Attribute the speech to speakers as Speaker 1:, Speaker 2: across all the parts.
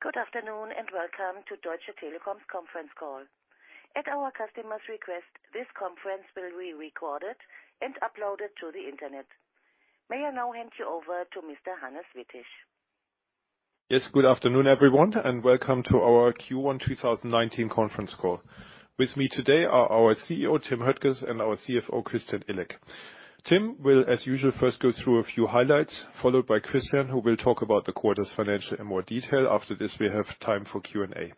Speaker 1: Good afternoon, welcome to Deutsche Telekom's conference call. At our customer's request, this conference will be recorded and uploaded to the internet. May I now hand you over to Mr. Hannes Wittig.
Speaker 2: Yes. Good afternoon, everyone, welcome to our Q1 2019 conference call. With me today are our CEO, Tim Höttges, and our CFO, Christian Illek. Tim will, as usual, first go through a few highlights, followed by Christian, who will talk about the quarter's financials in more detail. After this, we have time for Q&A.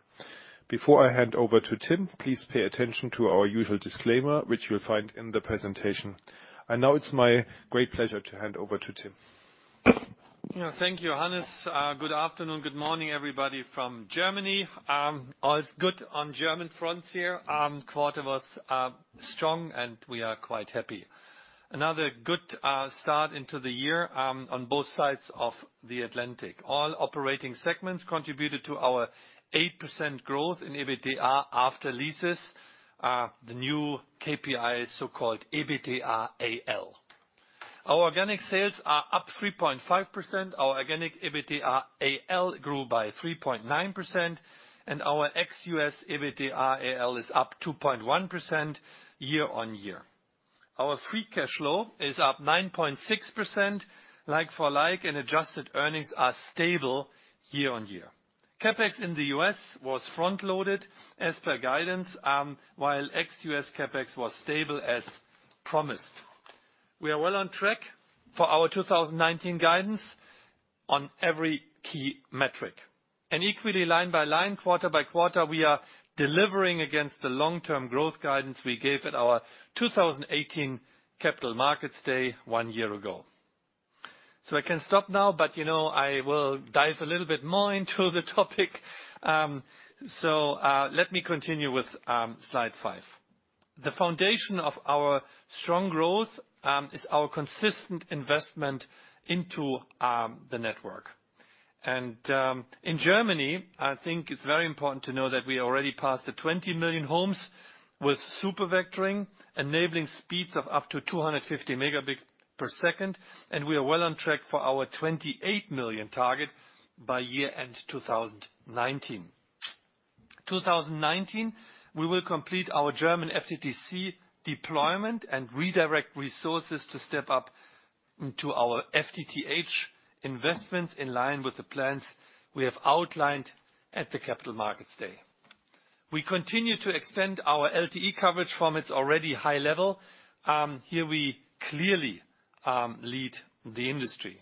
Speaker 2: Before I hand over to Tim, please pay attention to our usual disclaimer, which you'll find in the presentation. Now it's my great pleasure to hand over to Tim.
Speaker 3: Thank you, Hannes. Good afternoon. Good morning, everybody from Germany. All is good on German fronts here. Quarter was strong, we are quite happy. Another good start into the year on both sides of the Atlantic. All operating segments contributed to our 8% growth in EBITDA AL. The new KPI, so-called EBITDA AL. Our organic sales are up 3.5%, our organic EBITDA AL grew by 3.9%, our ex US EBITDA AL is up 2.1% year-on-year. Our free cash flow is up 9.6% like for like, adjusted earnings are stable year-on-year. CapEx in the US was front-loaded as per guidance, while ex US CapEx was stable as promised. We are well on track for our 2019 guidance on every key metric. Equally line by line, quarter by quarter, we are delivering against the long-term growth guidance we gave at our 2018 Capital Markets Day one year ago. I can stop now, I will dive a little bit more into the topic. Let me continue with slide five. The foundation of our strong growth, is our consistent investment into the network. In Germany, I think it's very important to know that we already passed the 20 million homes with Supervectoring, enabling speeds of up to 250 megabit per second, we are well on track for our 28 million target by year-end 2019. 2019, we will complete our German FTTC deployment and redirect resources to step up to our FTTH investment in line with the plans we have outlined at the Capital Markets Day. We continue to extend our LTE coverage from its already high level. Here we clearly lead the industry.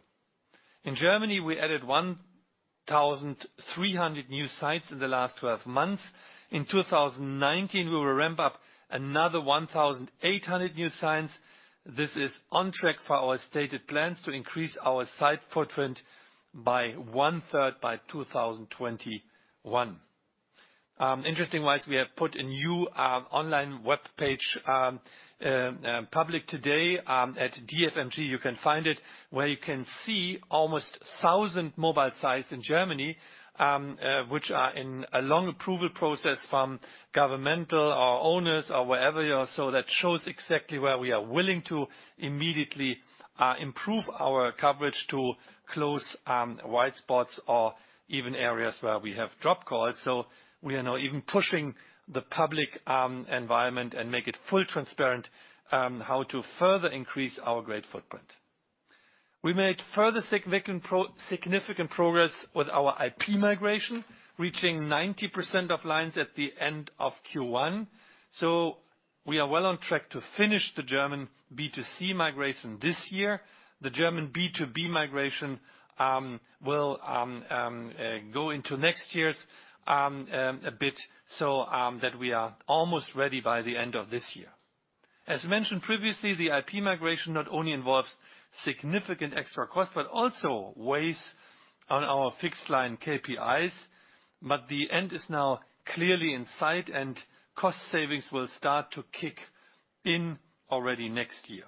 Speaker 3: In Germany, we added 1,300 new sites in the last 12 months. In 2019, we will ramp up another 1,800 new sites. This is on track for our stated plans to increase our site footprint by one-third by 2021. Interesting wise, we have put a new online webpage, public today, at DFMG you can find it where you can see almost 1,000 mobile sites in Germany, which are in a long approval process from governmental or owners or wherever you are. That shows exactly where we are willing to immediately improve our coverage to close wide spots or even areas where we have drop calls. We are now even pushing the public environment and make it full transparent, how to further increase our great footprint. We made further significant progress with our IP migration, reaching 90% of lines at the end of Q1. We are well on track to finish the German B2C migration this year. The German B2B migration will go into next year's a bit so that we are almost ready by the end of this year. As mentioned previously, the IP migration not only involves significant extra cost, but also weighs on our fixed line KPIs. The end is now clearly in sight, and cost savings will start to kick in already next year.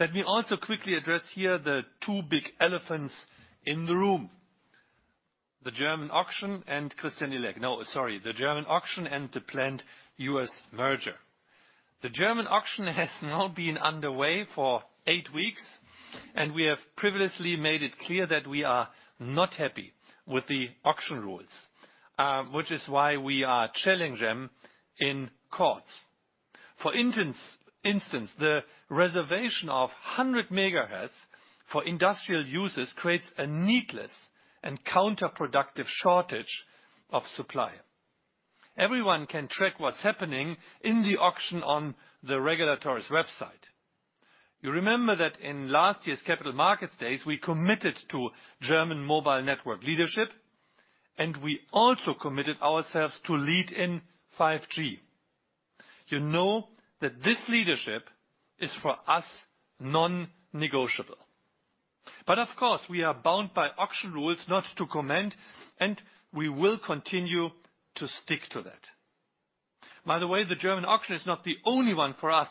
Speaker 3: Let me also quickly address here the two big elephants in the room, the German auction and Christian Illek. No, sorry, the German auction and the planned U.S. merger. The German auction has now been underway for eight weeks, and we have previously made it clear that we are not happy with the auction rules, which is why we are challenging them in courts. For instance, the reservation of 100 megahertz for industrial users creates a needless and counterproductive shortage of supply. Everyone can track what's happening in the auction on the regulatory's website. You remember that in last year's Capital Markets Days, we committed to German mobile network leadership, and we also committed ourselves to lead in 5G. You know that this leadership is for us non-negotiable. Of course, we are bound by auction rules not to comment, and we will continue to stick to that. The German auction is not the only one for us.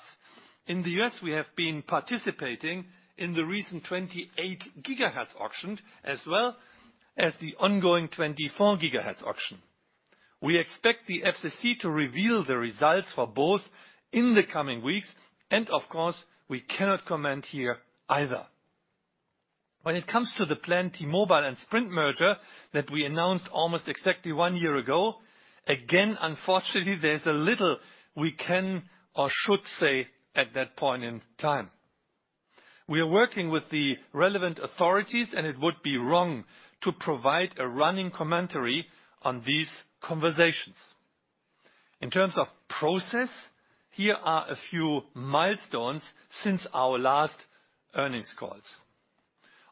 Speaker 3: In the U.S., we have been participating in the recent 28 gigahertz auction, as well as the ongoing 24 gigahertz auction. We expect the FCC to reveal the results for both in the coming weeks. Of course, we cannot comment here either. When it comes to the planned T-Mobile and Sprint merger that we announced almost exactly one year ago, again, unfortunately, there's a little we can or should say at that point in time. We are working with the relevant authorities, and it would be wrong to provide a running commentary on these conversations. In terms of process, here are a few milestones since our last earnings calls.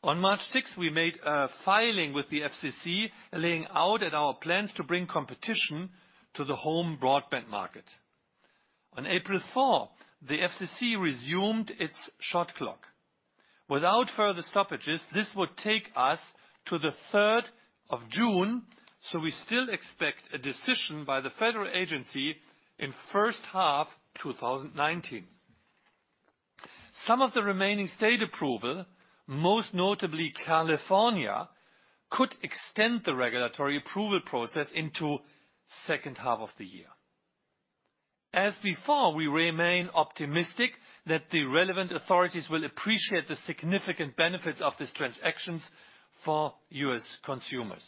Speaker 3: On March 6, we made a filing with the FCC, laying out at our plans to bring competition to the home broadband market. On April 4, the FCC resumed its shot clock. Without further stoppages, this would take us to the 3rd of June. We still expect a decision by the federal agency in first half 2019. Some of the remaining state approval, most notably California, could extend the regulatory approval process into second half of the year. As before, we remain optimistic that the relevant authorities will appreciate the significant benefits of this transaction for U.S. consumers.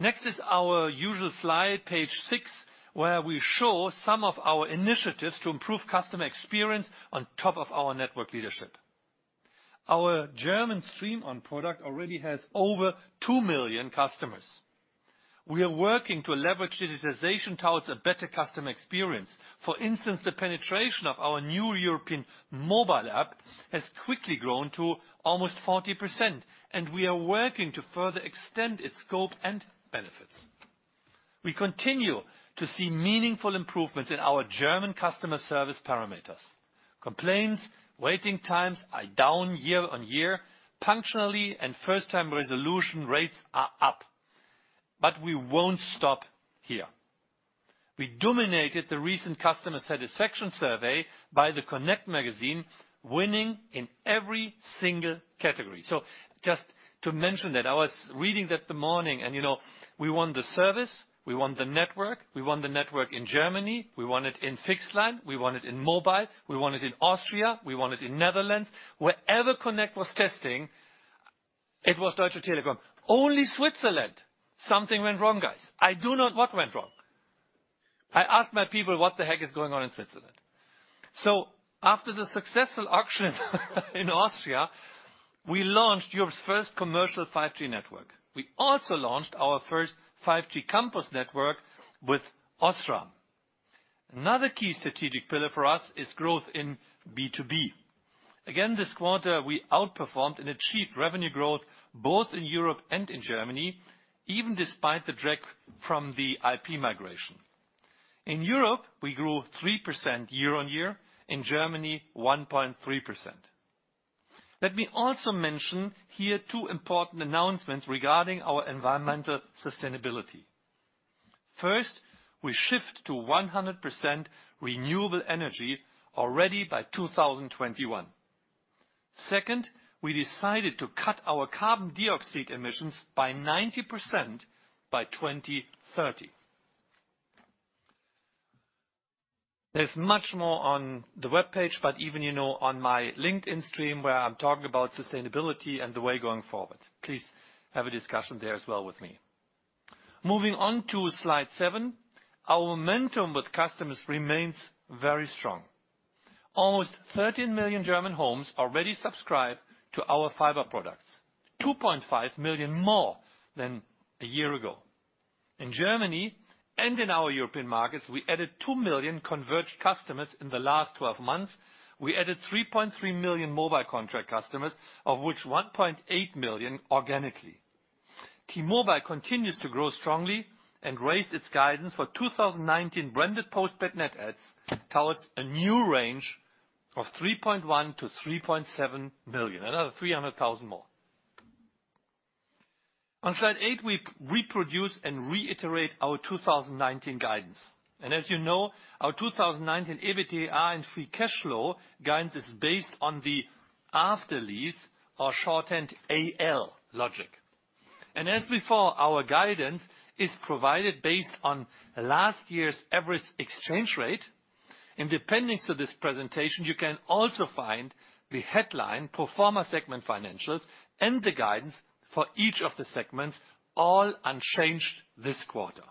Speaker 3: Next is our usual slide, page six, where we show some of our initiatives to improve customer experience on top of our network leadership. Our German StreamOn product already has over 2 million customers. We are working to leverage digitization towards a better customer experience. For instance, the penetration of our new European mobile app has quickly grown to almost 40%, and we are working to further extend its scope and benefits. We continue to see meaningful improvements in our German customer service parameters. Complaints, waiting times are down year-over-year. Functionally and first-time resolution rates are up. We won't stop here. We dominated the recent customer satisfaction survey by the Connect Magazine, winning in every single category. Just to mention that I was reading that the morning, we won the service, we won the network, we won the network in Germany, we won it in fixed line, we won it in mobile, we won it in Austria, we won it in Netherlands. Wherever Connect was testing, it was Deutsche Telekom. Only Switzerland, something went wrong, guys. I do not know what went wrong. I asked my people, "What the heck is going on in Switzerland?" After the successful auction in Austria, we launched Europe's first commercial 5G network. We also launched our first 5G campus network with Osram. Another key strategic pillar for us is growth in B2B. Again, this quarter, we outperformed and achieved revenue growth both in Europe and in Germany, even despite the drag from the IP migration. In Europe, we grew 3% year-over-year. In Germany, 1.3%. Let me also mention here two important announcements regarding our environmental sustainability. First, we shift to 100% renewable energy already by 2021. Second, we decided to cut our carbon dioxide emissions by 90% by 2030. There's much more on the webpage, but even on my LinkedIn stream where I'm talking about sustainability and the way going forward. Please have a discussion there as well with me. Moving on to slide seven. Our momentum with customers remains very strong. Almost 13 million German homes already subscribe to our fiber products, 2.5 million more than a year ago. In Germany and in our European markets, we added 2 million converged customers in the last 12 months. We added 3.3 million mobile contract customers, of which 1.8 million organically. T-Mobile continues to grow strongly and raised its guidance for 2019 branded postpaid net adds towards a new range of 3.1 million-3.7 million. Another 300,000 more. On slide eight, we reproduce and reiterate our 2019 guidance. As you know, our 2019 EBITDA and free cash flow guidance is based on the after-lease or shortened AL logic. As before, our guidance is provided based on last year's average exchange rate. In appendix to this presentation, you can also find the headline pro forma segment financials and the guidance for each of the segments, all unchanged this quarter.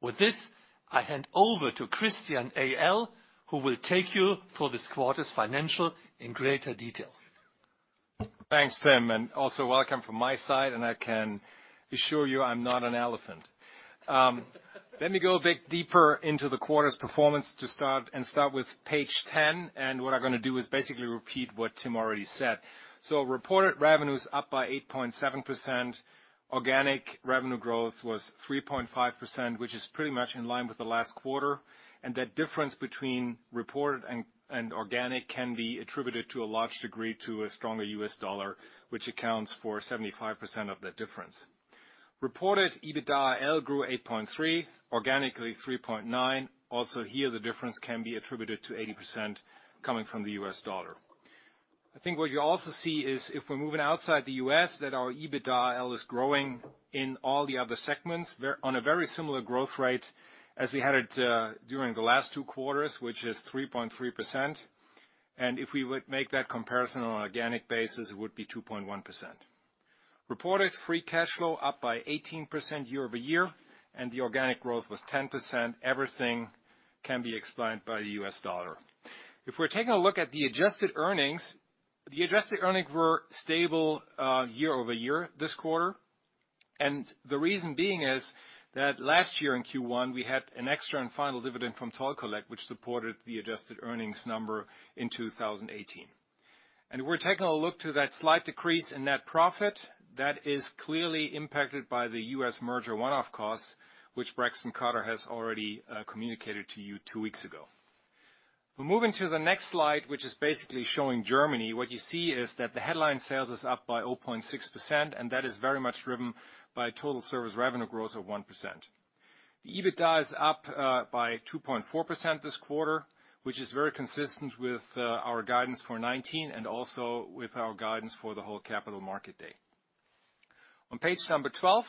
Speaker 3: With this, I hand over to Christian AL, who will take you through this quarter's financial in greater detail.
Speaker 4: Thanks, Tim, also welcome from my side. I can assure you, I'm not an elephant. Let me go a bit deeper into the quarter's performance to start and start with page 10. What I'm going to do is basically repeat what Tim already said. Reported revenues up by 8.7%. Organic revenue growth was 3.5%, which is pretty much in line with the last quarter. That difference between reported and organic can be attributed to a large degree to a stronger US dollar, which accounts for 75% of that difference. Reported EBITDA AL grew 8.3%, organically 3.9%. Also here, the difference can be attributed to 80% coming from the US dollar. I think what you also see is if we're moving outside the U.S., that our EBITDA AL is growing in all the other segments on a very similar growth rate as we had it during the last two quarters, which is 3.3%. If we would make that comparison on an organic basis, it would be 2.1%. Reported free cash flow up by 18% year-over-year, the organic growth was 10%. Everything can be explained by the US dollar. If we're taking a look at the adjusted earnings, the adjusted earnings were stable year-over-year this quarter. The reason being is that last year in Q1, we had an extra and final dividend from Toll Collect, which supported the adjusted earnings number in 2018. We're taking a look to that slight decrease in net profit. That is clearly impacted by the U.S. merger one-off costs, which Braxton Carter has already communicated to you two weeks ago. We're moving to the next slide, which is basically showing Germany. What you see is that the headline sales is up by 0.6%, that is very much driven by total service revenue growth of 1%. The EBITDA is up by 2.4% this quarter, which is very consistent with our guidance for 2019 and also with our guidance for the whole Capital Markets Day. On page number 12,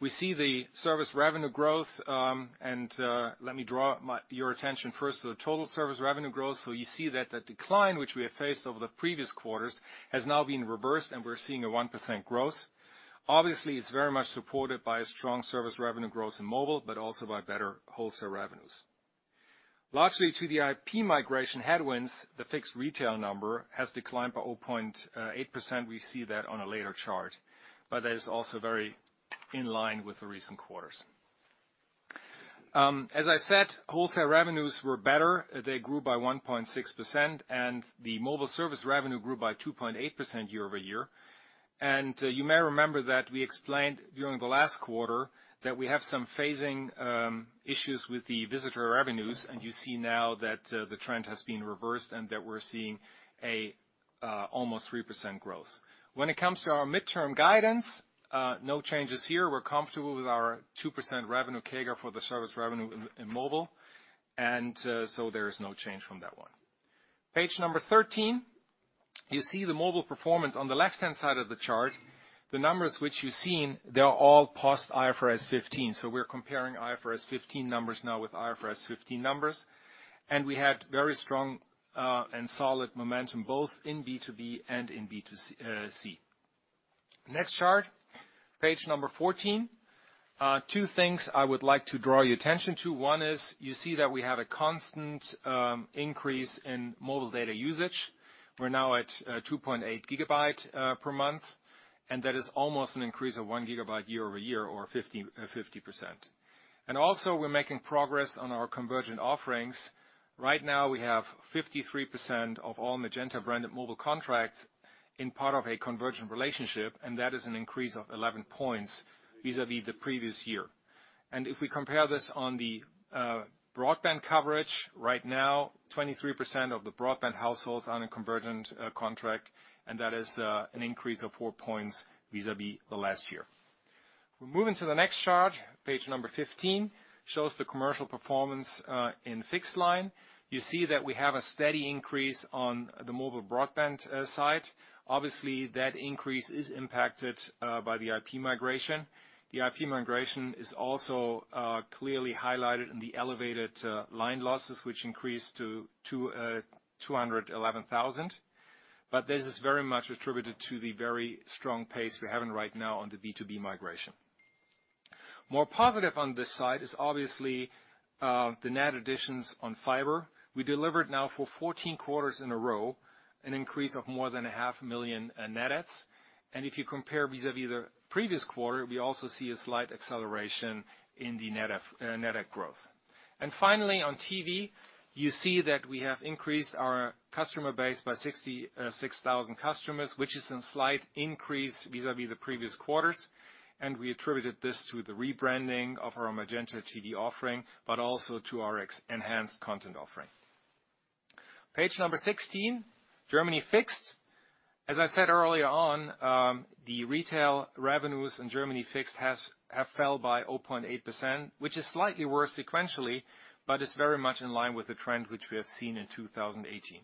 Speaker 4: we see the service revenue growth. Let me draw your attention first to the total service revenue growth. You see that the decline, which we have faced over the previous quarters, has now been reversed, we're seeing a 1% growth. Obviously, it's very much supported by a strong service revenue growth in mobile, also by better wholesale revenues. Largely to the IP migration headwinds, the fixed retail number has declined by 0.8%. We see that on a later chart, that is also very in line with the recent quarters. As I said, wholesale revenues were better. They grew by 1.6%, the mobile service revenue grew by 2.8% year-over-year. You may remember that we explained during the last quarter that we have some phasing issues with the visitor revenues, you see now that the trend has been reversed and that we're seeing an almost 3% growth. When it comes to our midterm guidance, no changes here. We're comfortable with our 2% revenue CAGR for the service revenue in mobile, there is no change from that one. Page number 13. You see the mobile performance on the left-hand side of the chart. The numbers which you've seen, they are all post IFRS 15, so we're comparing IFRS 15 numbers now with IFRS 15 numbers. We had very strong and solid momentum both in B2B and in B2C. Next chart, page 14. Two things I would like to draw your attention to. One is you see that we have a constant increase in mobile data usage. We're now at 2.8 GB per month, and that is almost an increase of 1 GB year-over-year or 50%. Also, we're making progress on our convergent offerings. Right now, we have 53% of all Magenta-branded mobile contracts in part of a convergent relationship, and that is an increase of 11 points vis-à-vis the previous year. If we compare this on the broadband coverage, right now, 23% of the broadband households are on a convergent contract, and that is an increase of four points vis-à-vis the last year. We're moving to the next chart. Page 15 shows the commercial performance in fixed line. You see that we have a steady increase on the mobile broadband side. Obviously, that increase is impacted by the IP migration. The IP migration is also clearly highlighted in the elevated line losses, which increased to 211,000. This is very much attributed to the very strong pace we're having right now on the B2B migration. More positive on this side is obviously the net additions on fiber. We delivered now for 14 quarters in a row, an increase of more than a half million net adds. If you compare vis-à-vis the previous quarter, we also see a slight acceleration in the net add growth. Finally, on TV, you see that we have increased our customer base by 66,000 customers, which is a slight increase vis-à-vis the previous quarters. We attributed this to the rebranding of our MagentaTV offering, but also to our enhanced content offering. Page 16, Germany Fixed. As I said earlier on, the retail revenues in Germany Fixed have fell by 0.8%, which is slightly worse sequentially, but it's very much in line with the trend which we have seen in 2018.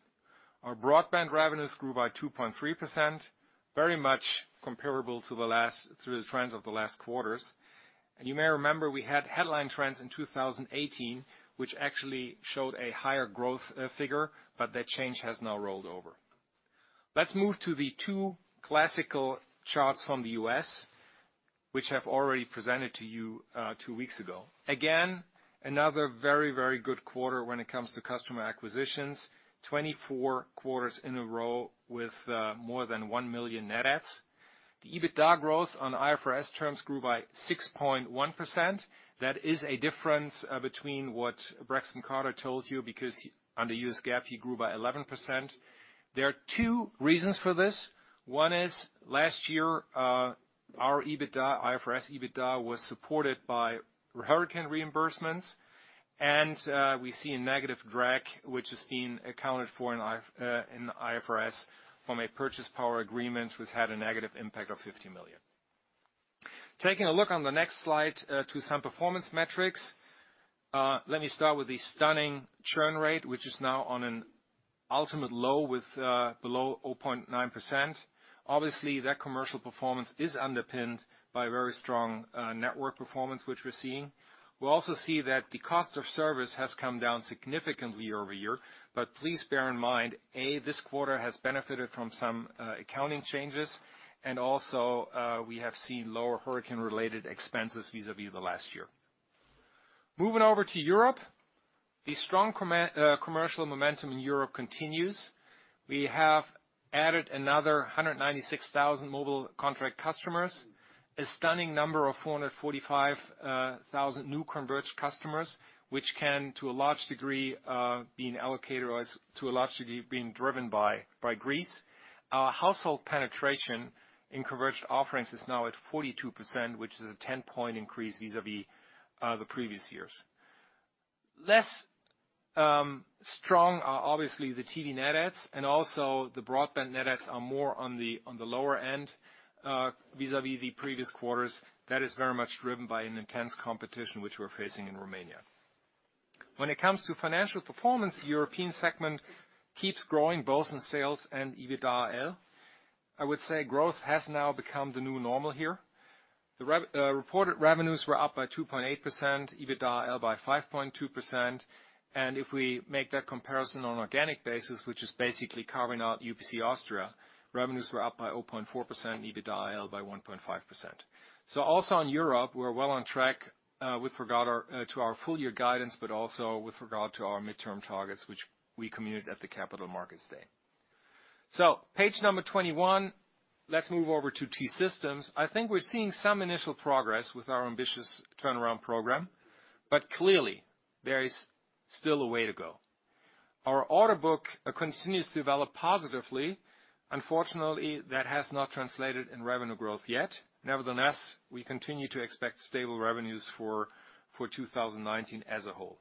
Speaker 4: Our broadband revenues grew by 2.3%, very much comparable to the trends of the last quarters. You may remember we had headline trends in 2018, which actually showed a higher growth figure, but that change has now rolled over. Let's move to the two classical charts from the U.S., which I have already presented to you two weeks ago. Again, another very, very good quarter when it comes to customer acquisitions. 24 quarters in a row with more than 1 million net adds. The EBITDA growth on IFRS terms grew by 6.1%. That is a difference between what Braxton Carter told you because under US GAAP, he grew by 11%. There are two reasons for this. One is last year, our IFRS EBITDA was supported by hurricane reimbursements, and we see a negative drag, which is being accounted for in IFRS from a purchase power agreement, which had a negative impact of 50 million. Taking a look on the next slide to some performance metrics. Let me start with the stunning churn rate, which is now on an ultimate low with below 0.9%. Obviously, that commercial performance is underpinned by very strong network performance, which we're seeing. We also see that the cost of service has come down significantly year-over-year, but please bear in mind, A, this quarter has benefited from some accounting changes and also, we have seen lower hurricane-related expenses vis-à-vis the last year. Moving over to Europe. The strong commercial momentum in Europe continues. We have added another 196,000 mobile contract customers. A stunning number of 445,000 new converged customers, which can, to a large degree, be being driven by Greece. Household penetration in converged offerings is now at 42%, which is a 10-point increase vis-à-vis the previous years. Less strong are obviously the TV net adds and also the broadband net adds are more on the lower end, vis-à-vis the previous quarters. That is very much driven by an intense competition which we're facing in Romania. When it comes to financial performance, the European segment keeps growing both in sales and EBITDA AL. I would say growth has now become the new normal here. The reported revenues were up by 2.8%, EBITDA AL by 5.2%, and if we make that comparison on an organic basis, which is basically carving out UPC Austria, revenues were up by 0.4%, EBITDA AL by 1.5%. Also in Europe, we're well on track with regard to our full year guidance, but also with regard to our midterm targets, which we committed at the Capital Markets Day. Page 21, let's move over to T-Systems. I think we're seeing some initial progress with our ambitious turnaround program, but clearly, there is still a way to go. Our order book continues to develop positively. Unfortunately, that has not translated in revenue growth yet. Nevertheless, we continue to expect stable revenues for 2019 as a whole.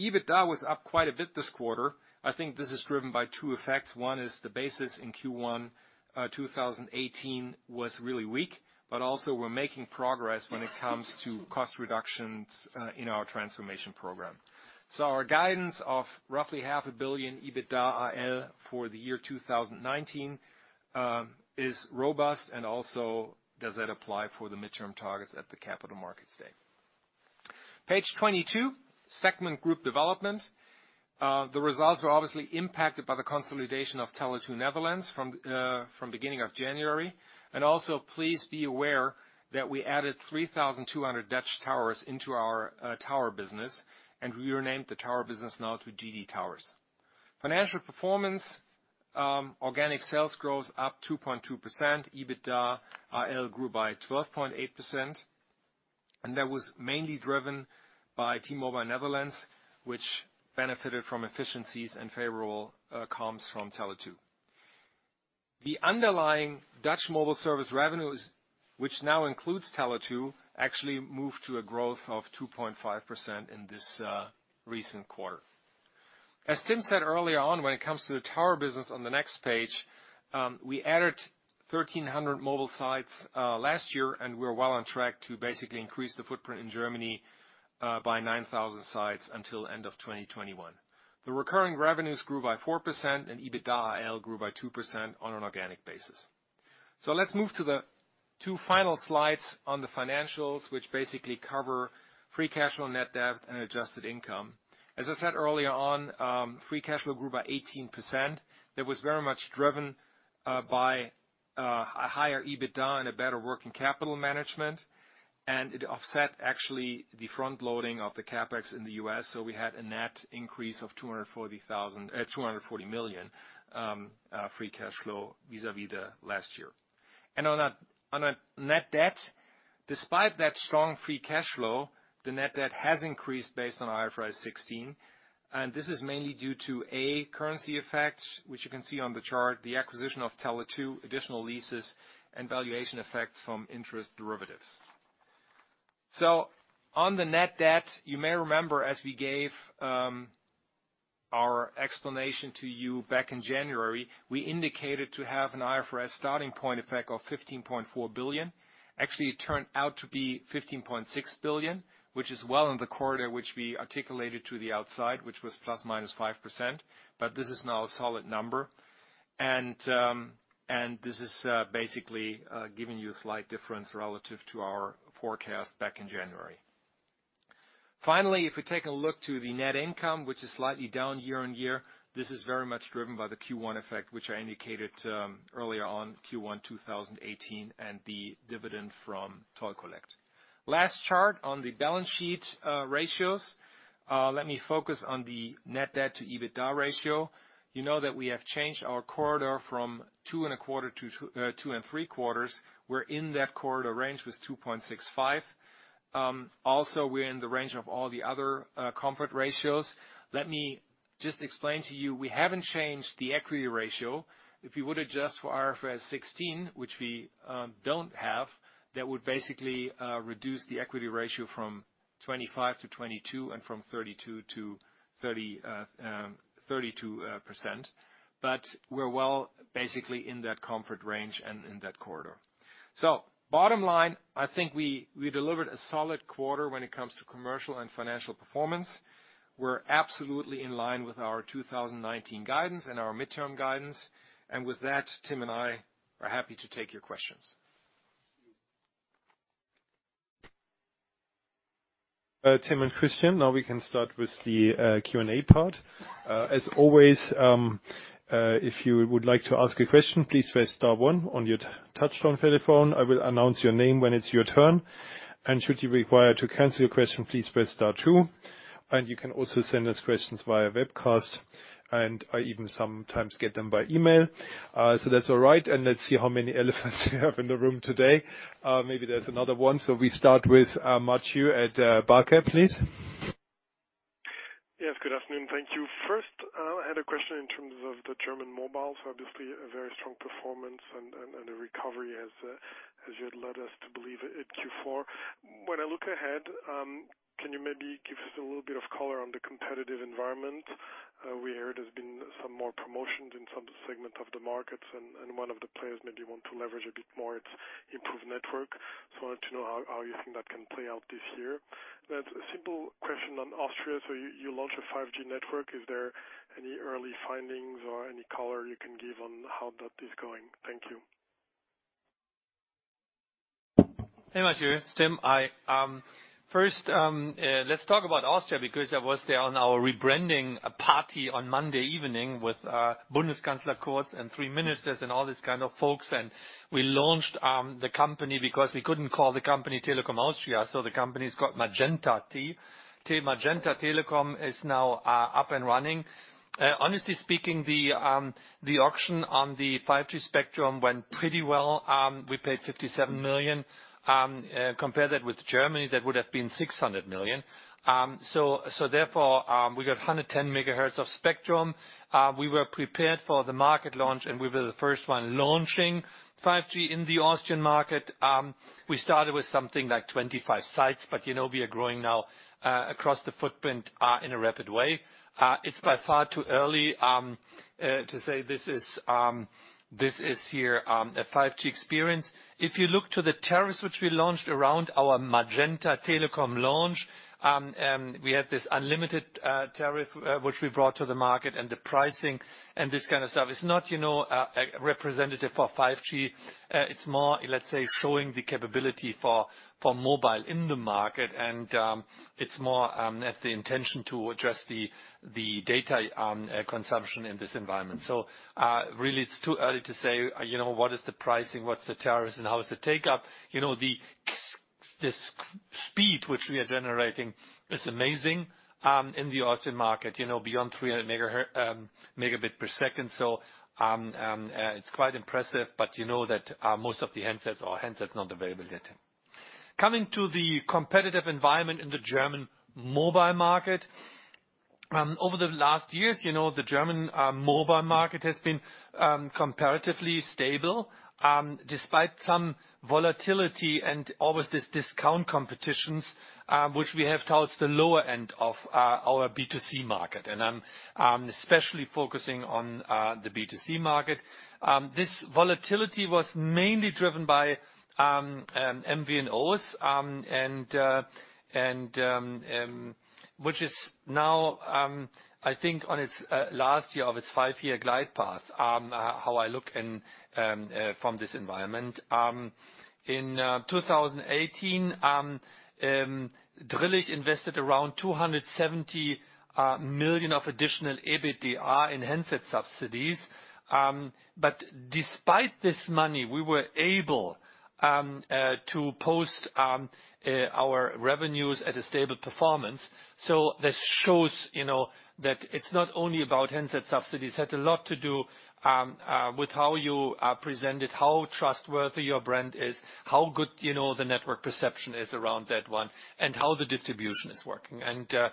Speaker 4: EBITDA was up quite a bit this quarter. I think this is driven by two effects. One is the basis in Q1 2018 was really weak, but also we're making progress when it comes to cost reductions in our transformation program. Our guidance of roughly half a billion EBITDA AL for the year 2019 is robust and also does that apply for the midterm targets at the Capital Markets Day. Page 22, segment group development. The results were obviously impacted by the consolidation of Tele2 Netherlands from beginning of January. Also, please be aware that we added 3,200 Dutch towers into our tower business, and we renamed the tower business now to GD Towers. Financial performance, organic sales growth up 2.2%, EBITDA AL grew by 12.8%, and that was mainly driven by T-Mobile Netherlands, which benefited from efficiencies and favorable comms from Tele2. The underlying Dutch mobile service revenues, which now includes Tele2, actually moved to a growth of 2.5% in this recent quarter. As Tim said earlier on, when it comes to the tower business on the next page, we added 1,300 mobile sites last year, and we're well on track to basically increase the footprint in Germany by 9,000 sites until end of 2021. The recurring revenues grew by 4% and EBITDA AL grew by 2% on an organic basis. Let's move to the two final slides on the financials, which basically cover free cash flow net debt and adjusted income. As I said earlier on, free cash flow grew by 18%. That was very much driven by a higher EBITDA and a better working capital management. It offset actually the front loading of the CapEx in the U.S. We had a net increase of 240 million free cash flow vis-à-vis the last year. On a net debt, despite that strong free cash flow, the net debt has increased based on IFRS 16, and this is mainly due to, A, currency effect, which you can see on the chart, the acquisition of Tele2, additional leases and valuation effects from interest derivatives. On the net debt, you may remember as we gave our explanation to you back in January, we indicated to have an IFRS starting point effect of 15.4 billion. Actually, it turned out to be 15.6 billion, which is well in the quarter, which we articulated to the outside, which was ±5%, but this is now a solid number. This is basically giving you a slight difference relative to our forecast back in January. Finally, if we take a look to the net income, which is slightly down year-over-year, this is very much driven by the Q1 effect, which I indicated earlier on Q1 2018 and the dividend from Toll Collect. Last chart on the balance sheet ratios. Let me focus on the net debt to EBITDA ratio. You know that we have changed our corridor from 2.25 to 2.75. We're in that corridor range with 2.65. Also, we're in the range of all the other comfort ratios Let me just explain to you, we haven't changed the equity ratio. If you would adjust for IFRS 16, which we don't have, that would basically reduce the equity ratio from 25% to 22% and from 32% to 32%. We're well, basically, in that comfort range and in that corridor. Bottom line, I think we delivered a solid quarter when it comes to commercial and financial performance. We're absolutely in line with our 2019 guidance and our midterm guidance. With that, Tim and I are happy to take your questions.
Speaker 2: Tim and Christian, now we can start with the Q&A part. As always, if you would like to ask a question, please press star one on your touchtone telephone. I will announce your name when it's your turn. Should you require to cancel your question, please press star two. You can also send us questions via webcast, and I even sometimes get them by email. That's all right, and let's see how many elephants we have in the room today. Maybe there's another one. We start with Mathieu at Barclays, please.
Speaker 5: Yes, good afternoon. Thank you. I had a question in terms of the German mobile. Obviously a very strong performance and a recovery as you had led us to believe at Q4. When I look ahead, can you maybe give us a little bit of color on the competitive environment? We heard there's been some more promotions in some segment of the market and one of the players maybe wants to leverage a bit more its improved network. I wanted to know how you think that can play out this year. A simple question on Austria. You launched a 5G network. Is there any early findings or any color you can give on how that is going? Thank you.
Speaker 3: Hey, Mathieu. Tim. Let's talk about Austria, because I was there on our rebranding party on Monday evening with Bundeskanzler Kurz and three ministers and all these kind of folks. We launched the company because we couldn't call the company Telekom Austria, the company's got Magenta T. Magenta Telekom is now up and running. Honestly speaking, the auction on the 5G spectrum went pretty well. We paid 57 million. Compare that with Germany, that would have been 600 million. Therefore, we got 110 megahertz of spectrum. We were prepared for the market launch, and we were the first one launching 5G in the Austrian market. We started with something like 25 sites, but we are growing now across the footprint in a rapid way. It's by far too early to say this is here a 5G experience. If you look to the tariffs which we launched around our Magenta Telekom launch, we had this unlimited tariff which we brought to the market and the pricing and this kind of stuff. It's not representative for 5G. It's more, let's say, showing the capability for mobile in the market, and it's more at the intention to address the data consumption in this environment. Really, it's too early to say what is the pricing, what's the tariffs, and how is the take-up. The speed which we are generating is amazing in the Austrian market, beyond 300 megabit per second. It's quite impressive, but you know that most of the handsets are not available yet. Coming to the competitive environment in the German mobile market. Over the last years, the German mobile market has been comparatively stable, despite some volatility and always this discount competition, which we have towards the lower end of our B2C market. I'm especially focusing on the B2C market. This volatility was mainly driven by MVNOs, which is now, I think on its last year of its five-year glide path, how I look from this environment. In 2018, Drillisch invested around 270 million of additional EBITDA in handset subsidies. Despite this money, we were able to post our revenues at a stable performance. This shows that it's not only about handset subsidies. It had a lot to do with how you are presented, how trustworthy your brand is, how good the network perception is around that one, and how the distribution is working. I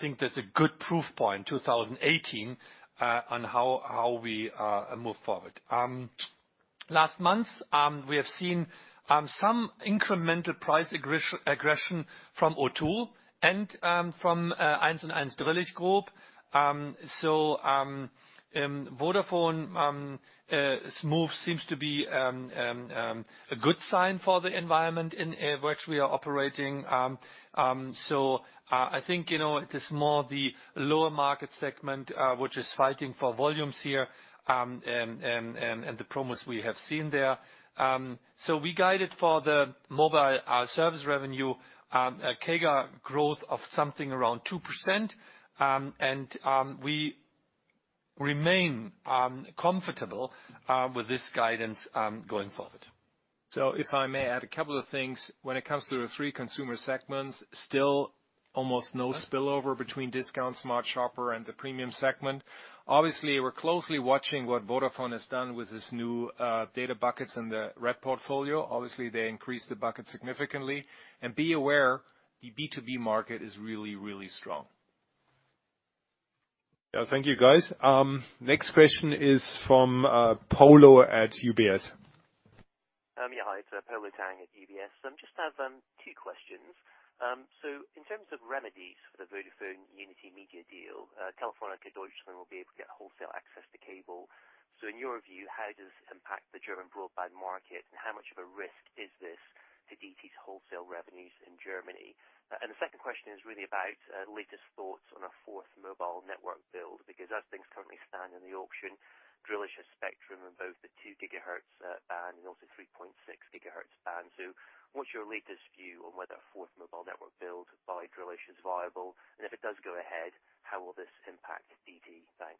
Speaker 3: think that's a good proof point, 2018, on how we move forward. Last month, we have seen some incremental price aggression from O2 and from 1&1 Drillisch group. Vodafone's move seems to be a good sign for the environment in which we are operating. I think it is more the lower market segment which is fighting for volumes here and the promos we have seen there. We guided for the mobile service revenue a CAGR growth of something around 2%, and we remain comfortable with this guidance going forward.
Speaker 4: If I may add a couple of things. When it comes to the three consumer segments, still almost no spillover between discount, smart shopper, and the premium segment. Obviously, we are closely watching what Vodafone has done with its new data buckets in the Red portfolio. Obviously, they increased the buckets significantly. And be aware, the B2B market is really, really strong.
Speaker 2: Thank you, guys. Next question is from Polo at UBS.
Speaker 6: Yeah. Hi, it's Polo Tang at UBS. Just have two questions. In terms of remedies for the Vodafone Unitymedia deal, Telefónica Deutschland will be able to get wholesale access to cable. In your view, how does this impact the German broadband market, and how much of a risk is this to DT's wholesale revenues in Germany? And the second question is really about latest thoughts on a fourth mobile network build, because as things currently stand in the auction, Drillisch has spectrum in both the two gigahertz band and also 3.6 gigahertz band. What's your latest view on whether a fourth mobile network build by Drillisch is viable, and if it does go ahead, how will this impact DT? Thanks.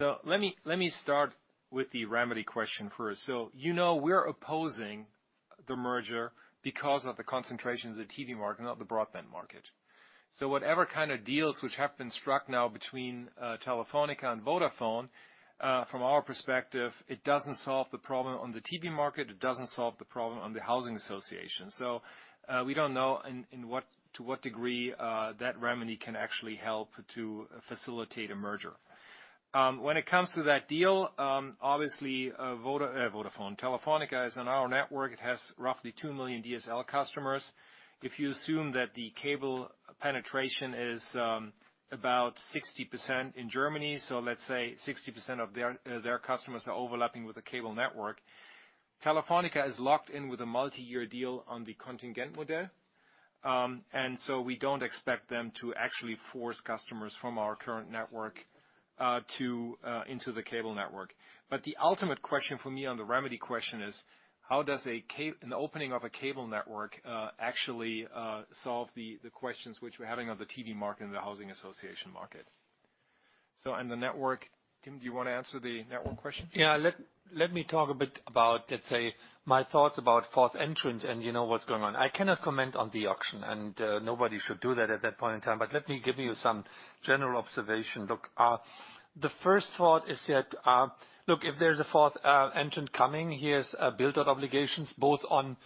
Speaker 4: Let me start with the remedy question first. You know we're opposing the merger because of the concentration of the TV market, not the broadband market. Whatever kind of deals which have been struck now between Telefónica and Vodafone, from our perspective, it doesn't solve the problem on the TV market. It doesn't solve the problem on the housing association. We don't know to what degree that remedy can actually help to facilitate a merger. When it comes to that deal, obviously, Telefónica is on our network. It has roughly two million DSL customers. If you assume that the cable penetration is about 60% in Germany. Let's say 60% of their customers are overlapping with the cable network. Telefónica is locked in with a multi-year deal on the contingent model. We don't expect them to actually force customers from our current network into the cable network. The ultimate question for me on the remedy question is: how does an opening of a cable network actually solve the questions which we're having on the TV market and the housing association market? And the network, Tim, do you want to answer the network question?
Speaker 3: Let me talk a bit about, let's say, my thoughts about fourth entrant and what's going on. I cannot comment on the auction, and nobody should do that at that point in time. Let me give you some general observation. Look, the first thought is that, look, if there's a fourth entrant coming, he has build-out obligations both on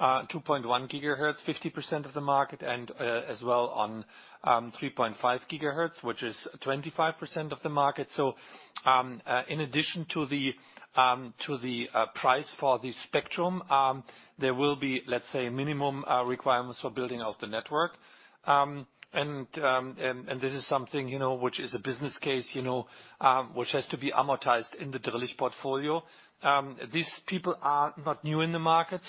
Speaker 3: 2.1 gigahertz, 50% of the market, and as well on 3.5 gigahertz, which is 25% of the market. In addition to the price for the spectrum, there will be, let's say, minimum requirements for building out the network. This is something which is a business case which has to be amortized in the Drillisch portfolio. These people are not new in the market,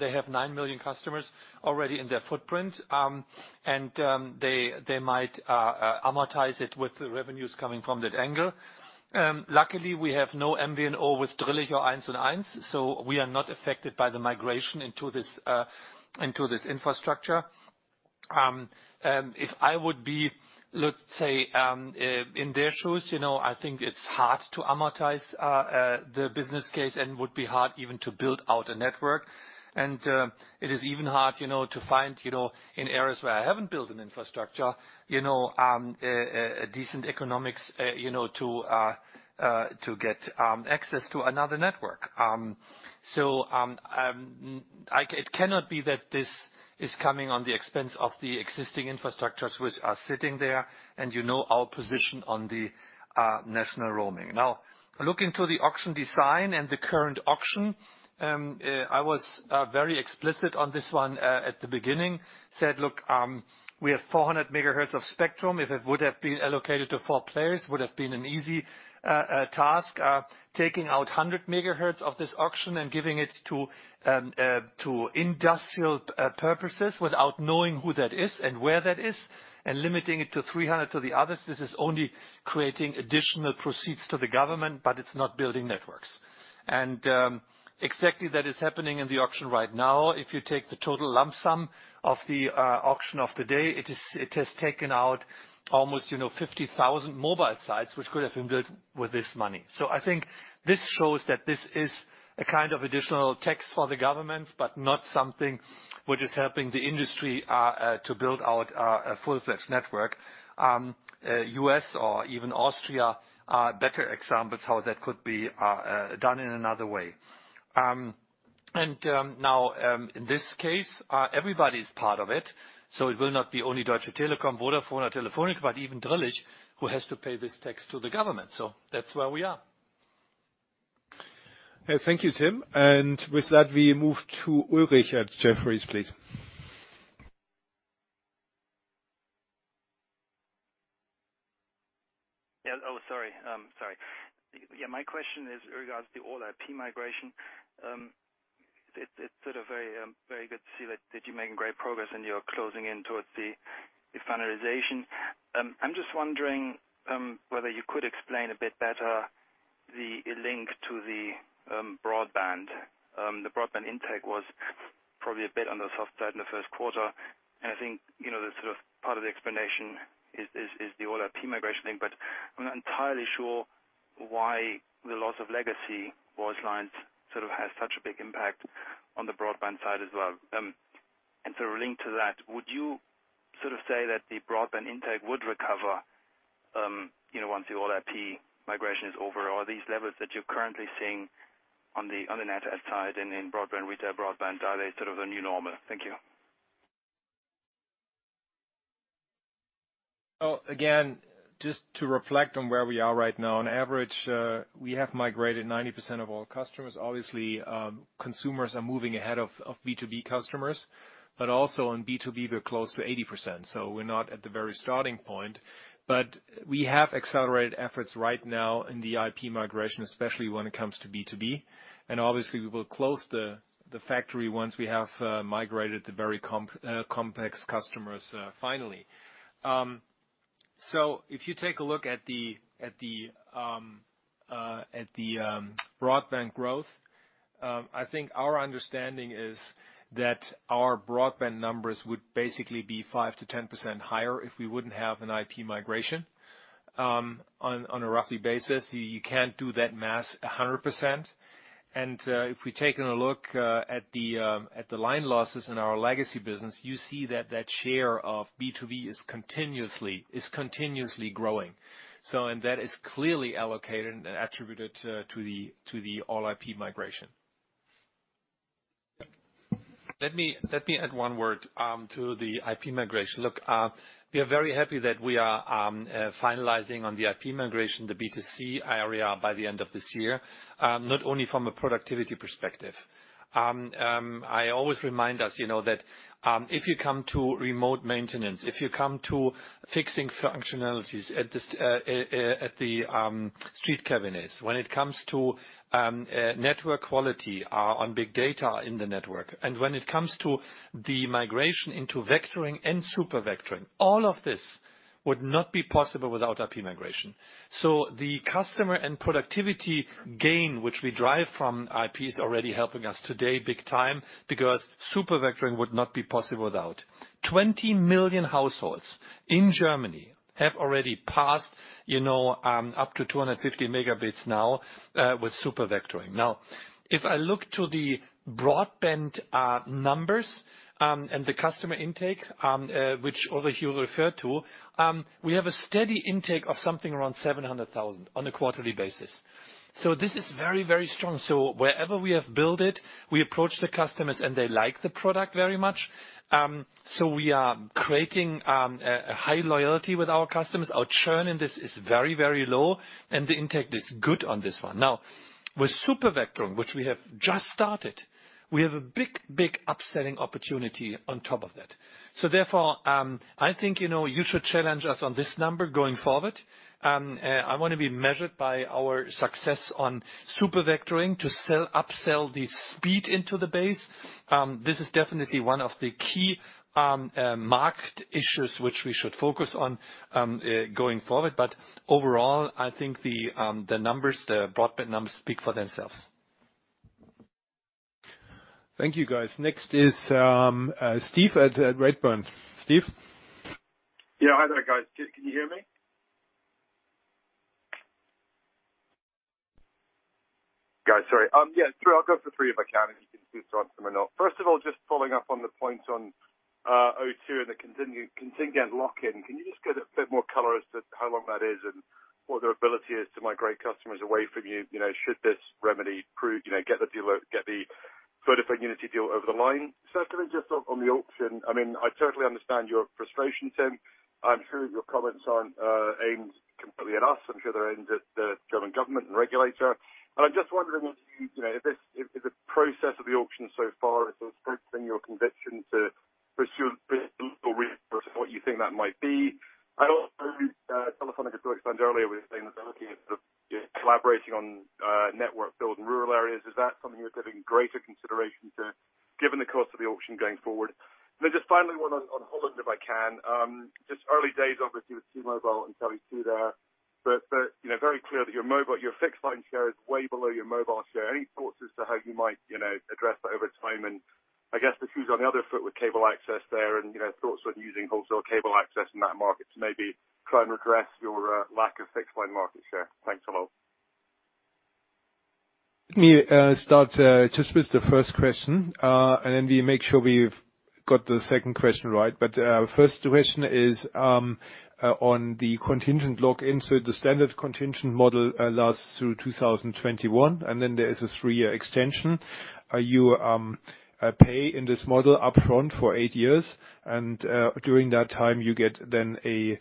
Speaker 3: they have nine million customers already in their footprint. They might amortize it with the revenues coming from that angle. Luckily, we have no MVNO with Drillisch or 1&1, we are not affected by the migration into this infrastructure. If I would be, let's say, in their shoes, I think it's hard to amortize the business case and would be hard even to build out a network. It is even hard to find in areas where I haven't built an infrastructure, a decent economics to get access to another network. It cannot be that this is coming on the expense of the existing infrastructures which are sitting there and you know our position on the national roaming. Looking to the auction design and the current auction, I was very explicit on this one at the beginning. Said, "Look, we have 400 megahertz of spectrum. If it would have been allocated to four players, would have been an easy task. Taking out 100 megahertz of this auction and giving it to industrial purposes without knowing who that is and where that is, and limiting it to 300 to the others, this is only creating additional proceeds to the government, but it's not building networks. Exactly that is happening in the auction right now. If you take the total lump sum of the auction of the day, it has taken out almost 50,000 mobile sites which could have been built with this money. I think this shows that this is a kind of additional tax for the government, but not something which is helping the industry to build out a full-fledged network. U.S. or even Austria are better examples how that could be done in another way. Now, in this case, everybody's part of it. It will not be only Deutsche Telekom, Vodafone, or Telefónica, but even Drillisch, who has to pay this tax to the government. That's where we are.
Speaker 2: Thank you, Tim. With that, we move to Ulrich at Jefferies, please.
Speaker 7: My question is regards the All-IP migration. It's sort of very good to see that you're making great progress and you're closing in towards the finalization. I'm just wondering whether you could explain a bit better the link to the broadband. The broadband intake was probably a bit on the soft side in the first quarter, I think, part of the explanation is the All-IP migration thing, but I'm not entirely sure why the loss of legacy voice lines sort of has such a big impact on the broadband side as well. Sort of linked to that, would you sort of say that the broadband intake would recover once the All-IP migration is over? Are these levels that you're currently seeing on the net add side and in broadband retail, broadband dialer sort of the new normal? Thank you.
Speaker 4: Again, just to reflect on where we are right now. On average, we have migrated 90% of all customers. Obviously, consumers are moving ahead of B2B customers, but also on B2B, we are close to 80%. We are not at the very starting point. We have accelerated efforts right now in the IP migration, especially when it comes to B2B. Obviously, we will close the factory once we have migrated the very complex customers finally. If you take a look at the broadband growth, I think our understanding is that our broadband numbers would basically be 5%-10% higher if we wouldn't have an IP migration. On a roughly basis, you can't do that math 100%. If we have taken a look at the line losses in our legacy business, you see that that share of B2B is continuously growing. That is clearly allocated and attributed to the All-IP migration.
Speaker 3: Let me add one word to the IP migration. Look, we are very happy that we are finalizing on the IP migration, the B2C area by the end of this year. Not only from a productivity perspective. I always remind us, that if you come to remote maintenance, if you come to fixing functionalities at the street cabinets, when it comes to network quality on big data in the network, and when it comes to the migration into vectoring and supervectoring, all of this would not be possible without IP migration. The customer and productivity gain, which we derive from IP, is already helping us today big time, because supervectoring would not be possible without. 20 million households in Germany have already passed up to 250 megabits now with supervectoring. If I look to the broadband numbers, and the customer intake, which also you referred to, we have a steady intake of something around 700,000 on a quarterly basis. This is very, very strong. Wherever we have built it, we approach the customers, and they like the product very much. We are creating a high loyalty with our customers. Our churn in this is very, very low, and the intake is good on this one. With supervectoring, which we have just started, we have a big, big upselling opportunity on top of that. Therefore, I think, you should challenge us on this number going forward. I want to be measured by our success on supervectoring to upsell the speed into the base. This is definitely one of the key marked issues which we should focus on going forward. Overall, I think the broadband numbers speak for themselves.
Speaker 2: Thank you, guys. Next is, Steve at Redburn. Steve?
Speaker 8: Hi there guys. Can you hear me? Guys, sorry. Three, I'll go for three if I can, and you can choose to answer one or not. First of all, just following up on the point on O2 and the contingent lock-in. Can you just give a bit more color as to how long that is and what their ability is to migrate customers away from you? Should this remedy prove, get the Vodafone Unitymedia deal over the line. Secondly, just on the auction. I totally understand your frustration, Tim. I'm sure your comments aren't aimed completely at us. I'm sure they're aimed at the German government and regulator. I'm just wondering if the process of the auction so far has strengthened your conviction to pursue what you think that might be. Also, Telefónica just mentioned earlier was saying that they're looking at collaborating on network build in rural areas. Is that something you're giving greater consideration to, given the cost of the auction going forward? Just finally, one on Holland, if I can. Just early days, obviously with T-Mobile and Tele2 there. Very clear that your fixed line share is way below your mobile share. Any thoughts as to how you might address that over time? I guess the shoe's on the other foot with cable access there and thoughts on using wholesale cable access in that market to maybe try and redress your lack of fixed line market share. Thanks a lot.
Speaker 3: Let me start just with the first question, and then we make sure we've got the second question right. First question is on the contingent lock-in. The standard contingent model lasts through 2021, and then there is a three-year extension. You pay in this model upfront for eight years. During that time, you get then a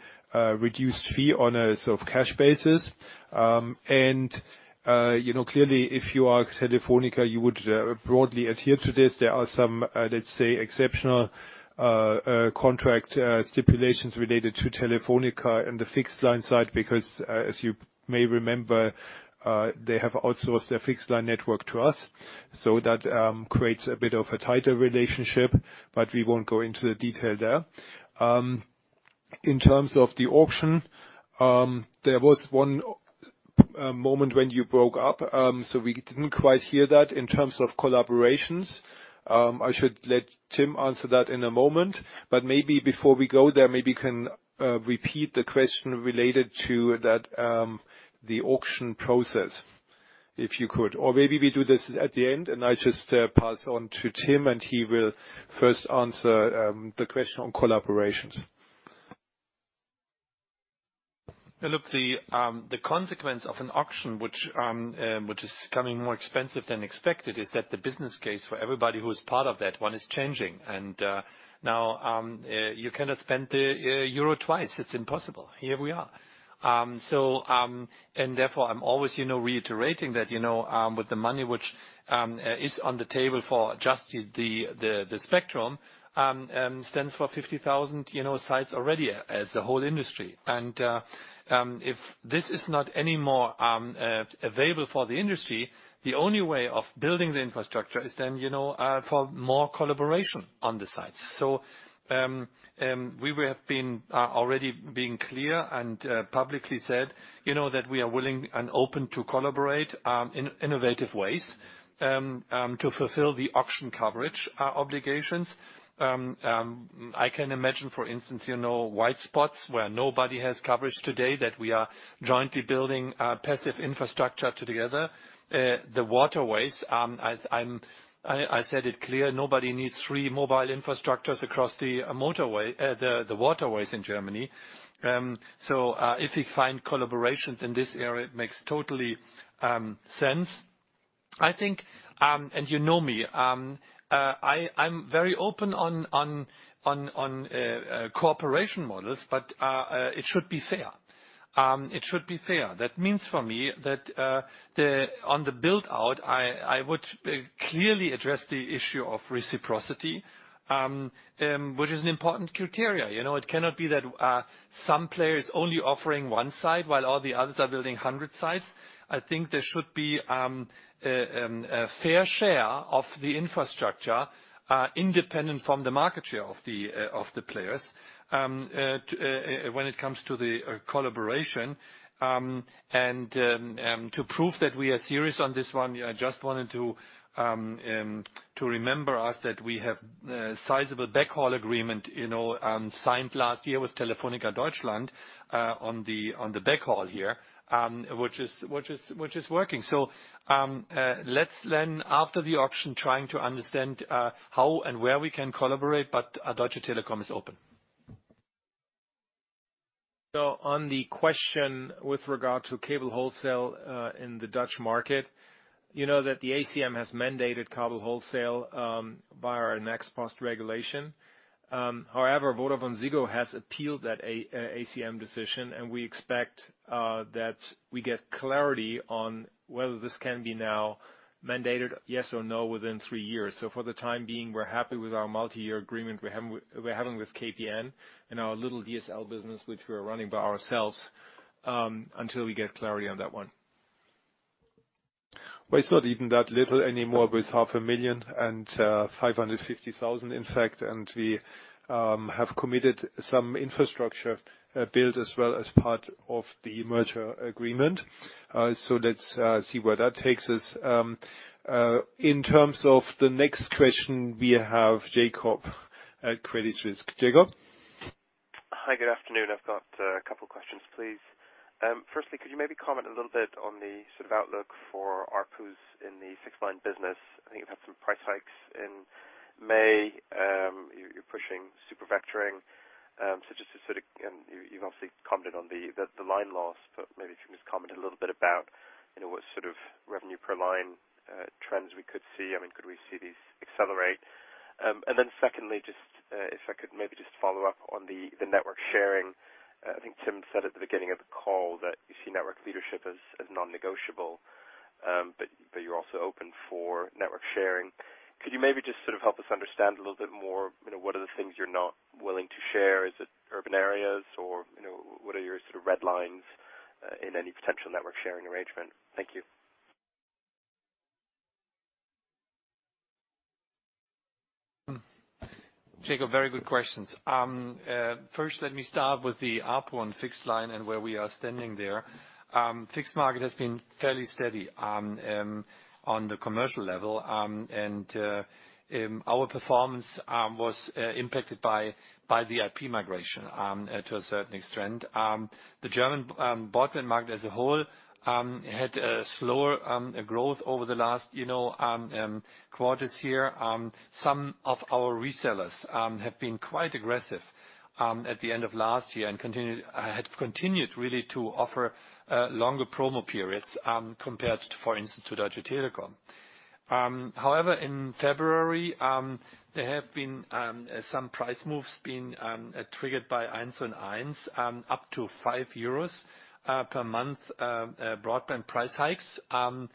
Speaker 3: reduced fee on a sort of cash basis. Clearly, if you are Telefónica, you would broadly adhere to this. There are some, let's say, exceptional contract stipulations related to Telefónica in the fixed line side because, as you may remember, they have outsourced their fixed line network to us. That creates a bit of a tighter relationship, but we won't go into the detail there. In terms of the auction, there was one moment when you broke up, so we didn't quite hear that in terms of collaborations.
Speaker 2: I should let Tim answer that in a moment, maybe before we go there, maybe you can repeat the question related to the auction process, if you could. Or maybe we do this at the end, I just pass on to Tim, and he will first answer the question on collaborations. The consequence of an auction which is becoming more expensive than expected, is that the business case for everybody who is part of that one is changing. Now, you cannot spend the euro twice. It's impossible. Here we are. Therefore, I'm always reiterating that with the money which is on the table for just the spectrum, stands for 50,000 sites already as a whole industry. If this is not any more available for the industry, the only way of building the infrastructure is then for more collaboration on the sites.
Speaker 3: We have already been clear and publicly said that we are willing and open to collaborate, in innovative ways, to fulfill the auction coverage obligations. I can imagine, for instance, white spots where nobody has coverage today, that we are jointly building passive infrastructure together. The waterways, I said it clear, nobody needs three mobile infrastructures across the waterways in Germany. If we find collaborations in this area, it makes totally sense. I think, you know me, I'm very open on cooperation models, but it should be fair. It should be fair. That means for me, that on the build-out, I would clearly address the issue of reciprocity, which is an important criteria. It cannot be that some players only offering one site while all the others are building 100 sites. I think there should be a fair share of the infrastructure, independent from the market share of the players, when it comes to the collaboration. To prove that we are serious on this one, I just wanted to remember us that we have a sizable backhaul agreement signed last year with Telefónica Deutschland on the backhaul here, which is working. Let's then after the auction, trying to understand, how and where we can collaborate, but Deutsche Telekom is open.
Speaker 4: On the question with regard to cable wholesale, in the Dutch market, you know that the ACM has mandated cable wholesale, via our next post-regulation. However, VodafoneZiggo has appealed that ACM decision, and we expect that we get clarity on whether this can be now mandated, yes or no, within 3 years. For the time being, we're happy with our multi-year agreement we're having with KPN and our little DSL business, which we are running by ourselves, until we get clarity on that one.
Speaker 2: Well, it's not even that little anymore with half a million and 550,000 in fact, and we have committed some infrastructure build as well as part of the merger agreement. Let's see where that takes us. In terms of the next question, we have Jakob at Credit Suisse. Jakob?
Speaker 9: Hi, good afternoon. I've got a couple questions, please. Firstly, could you maybe comment a little bit on the sort of outlook for ARPUs in the fixed line business? I think you've had some price hikes in May. You're pushing Supervectoring. You've obviously commented on the line loss, but maybe if you could just comment a little bit about what sort of revenue per line trends we could see. Could we see these accelerate? Secondly, if I could maybe just follow up on the network sharing. I think Tim said at the beginning of the call that you see network leadership as non-negotiable, but that you're also open for network sharing. Could you maybe just sort of help us understand a little bit more, what are the things you're not willing to share? Is it urban areas or what are your sort of red lines in any potential network sharing arrangement? Thank you.
Speaker 3: Jakob, very good questions. First let me start with the ARPU on fixed line and where we are standing there. Fixed market has been fairly steady on the commercial level, and our performance was impacted by the IP migration to a certain extent. The German broadband market as a whole had a slower growth over the last quarters here. Some of our resellers have been quite aggressive, at the end of last year and have continued really to offer longer promo periods, compared, for instance, to Deutsche Telekom. However, in February, there have been some price moves being triggered by 1&1, up to 5 euros per month broadband price hikes for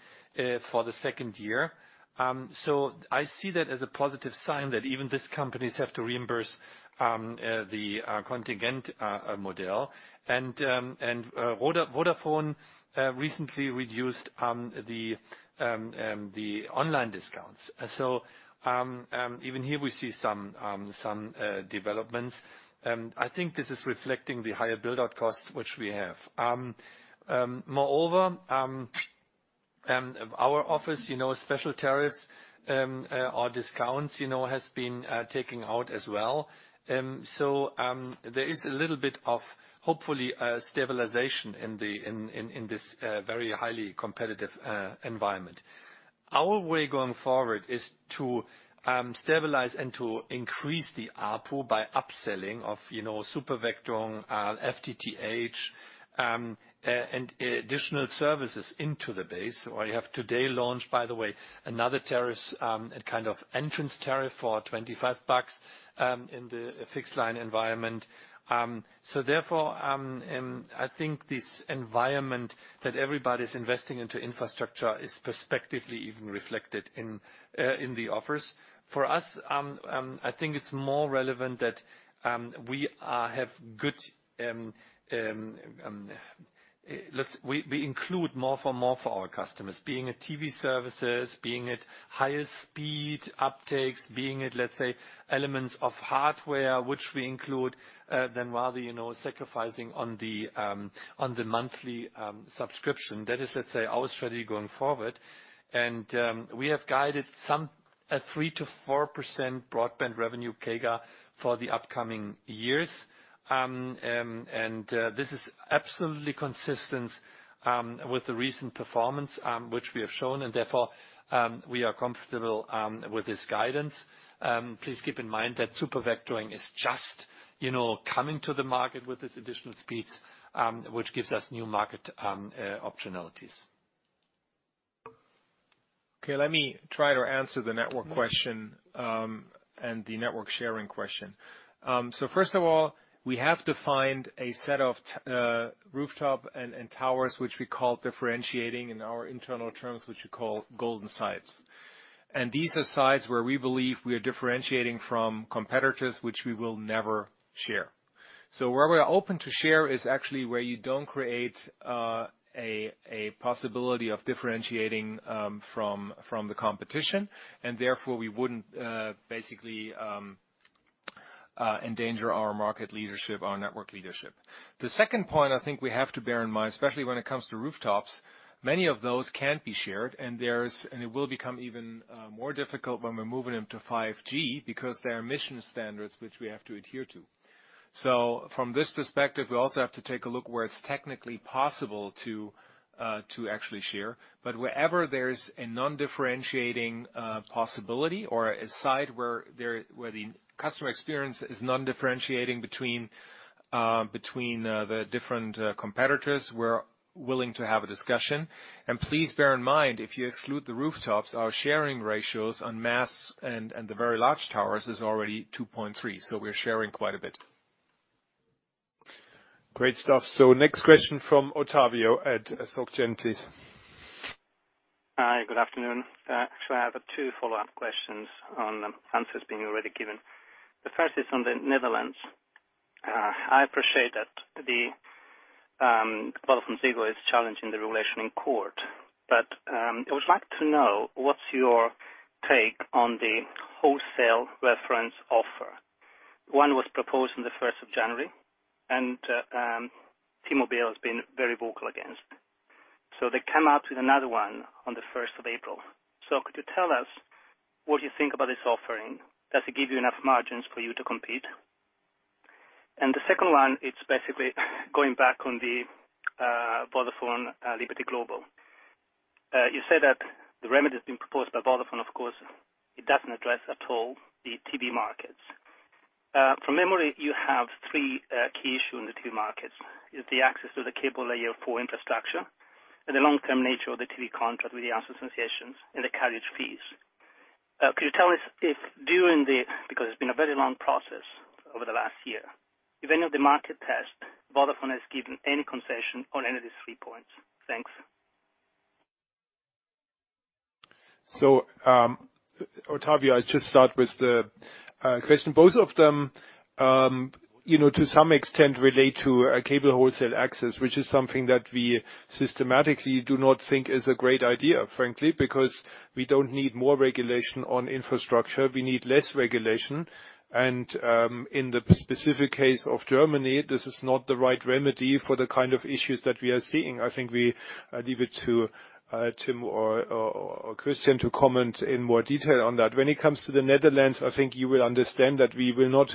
Speaker 3: the second year. I see that as a positive sign that even these companies have to reimburse the contingent model. Vodafone recently reduced the online discounts. Even here we see some developments. I think this is reflecting the higher build-out costs which we have. Moreover, our office special tariffs or discounts has been taking out as well. There is a little bit of, hopefully, a stabilization in this very highly competitive environment. Our way going forward is to stabilize and to increase the ARPU by upselling of Supervectoring, FTTH, and additional services into the base. We have today launched, by the way, another tariff, a kind of entrance tariff for 25 EUR in the fixed line environment. Therefore, I think this environment that everybody's investing into infrastructure is perspectively even reflected in the offers. For us, I think it's more relevant that we include more for more for our customers, being it TV services, being it higher speed uptakes, being it, let's say, elements of hardware which we include, than rather sacrificing on the monthly subscription. That is, let's say, our strategy going forward. We have guided some 3%-4% broadband revenue CAGR for the upcoming years. This is absolutely consistent with the recent performance, which we have shown, and therefore, we are comfortable with this guidance. Please keep in mind that Supervectoring is just coming to the market with its additional speeds, which gives us new market optionalities.
Speaker 4: Okay, let me try to answer the network question, and the network sharing question. First of all, we have to find a set of rooftop and towers, which we call differentiating in our internal terms, which we call golden sites. These are sites where we believe we are differentiating from competitors, which we will never share. Where we're open to share is actually where you don't create a possibility of differentiating from the competition, and therefore, we wouldn't basically endanger our market leadership, our network leadership. The second point I think we have to bear in mind, especially when it comes to rooftops, many of those can't be shared, and it will become even more difficult when we're moving them to 5G because there are emission standards which we have to adhere to. From this perspective, we also have to take a look where it's technically possible to actually share. Wherever there's a non-differentiating possibility or a site where the customer experience is non-differentiating between the different competitors, we're willing to have a discussion. Please bear in mind, if you exclude the rooftops, our sharing ratios on masts and the very large towers is already 2.3. We're sharing quite a bit.
Speaker 2: Great stuff. Next question from Ottavio at SocGen, please.
Speaker 10: Hi, good afternoon. I have two follow-up questions on answers being already given. The first is on the Netherlands. I appreciate that VodafoneZiggo is challenging the regulation in court. I would like to know what's your take on the wholesale reference offer. One was proposed on the 1st of January. T-Mobile has been very vocal against. They come out with another one on the 1st of April. Could you tell us what you think about this offering? Does it give you enough margins for you to compete? The second one, it's basically going back on the Vodafone Liberty Global. You said that the remedies being proposed by Vodafone, of course, it doesn't address at all the TV markets. From memory, you have three key issue in the TV markets, is the access to the cable layer 4 infrastructure, the long-term nature of the TV contract with the association and the carriage fees. Could you tell us if during the, because it's been a very long process over the last year, if any of the market test Vodafone has given any concession on any of these three points? Thanks.
Speaker 2: Ottavio, I'll just start with the question. Both of them to some extent relate to a cable wholesale access, which is something that we systematically do not think is a great idea, frankly, because we don't need more regulation on infrastructure. We need less regulation. In the specific case of Germany, this is not the right remedy for the kind of issues that we are seeing. I think we leave it to Tim or Christian to comment in more detail on that. When it comes to the Netherlands, I think you will understand that we will not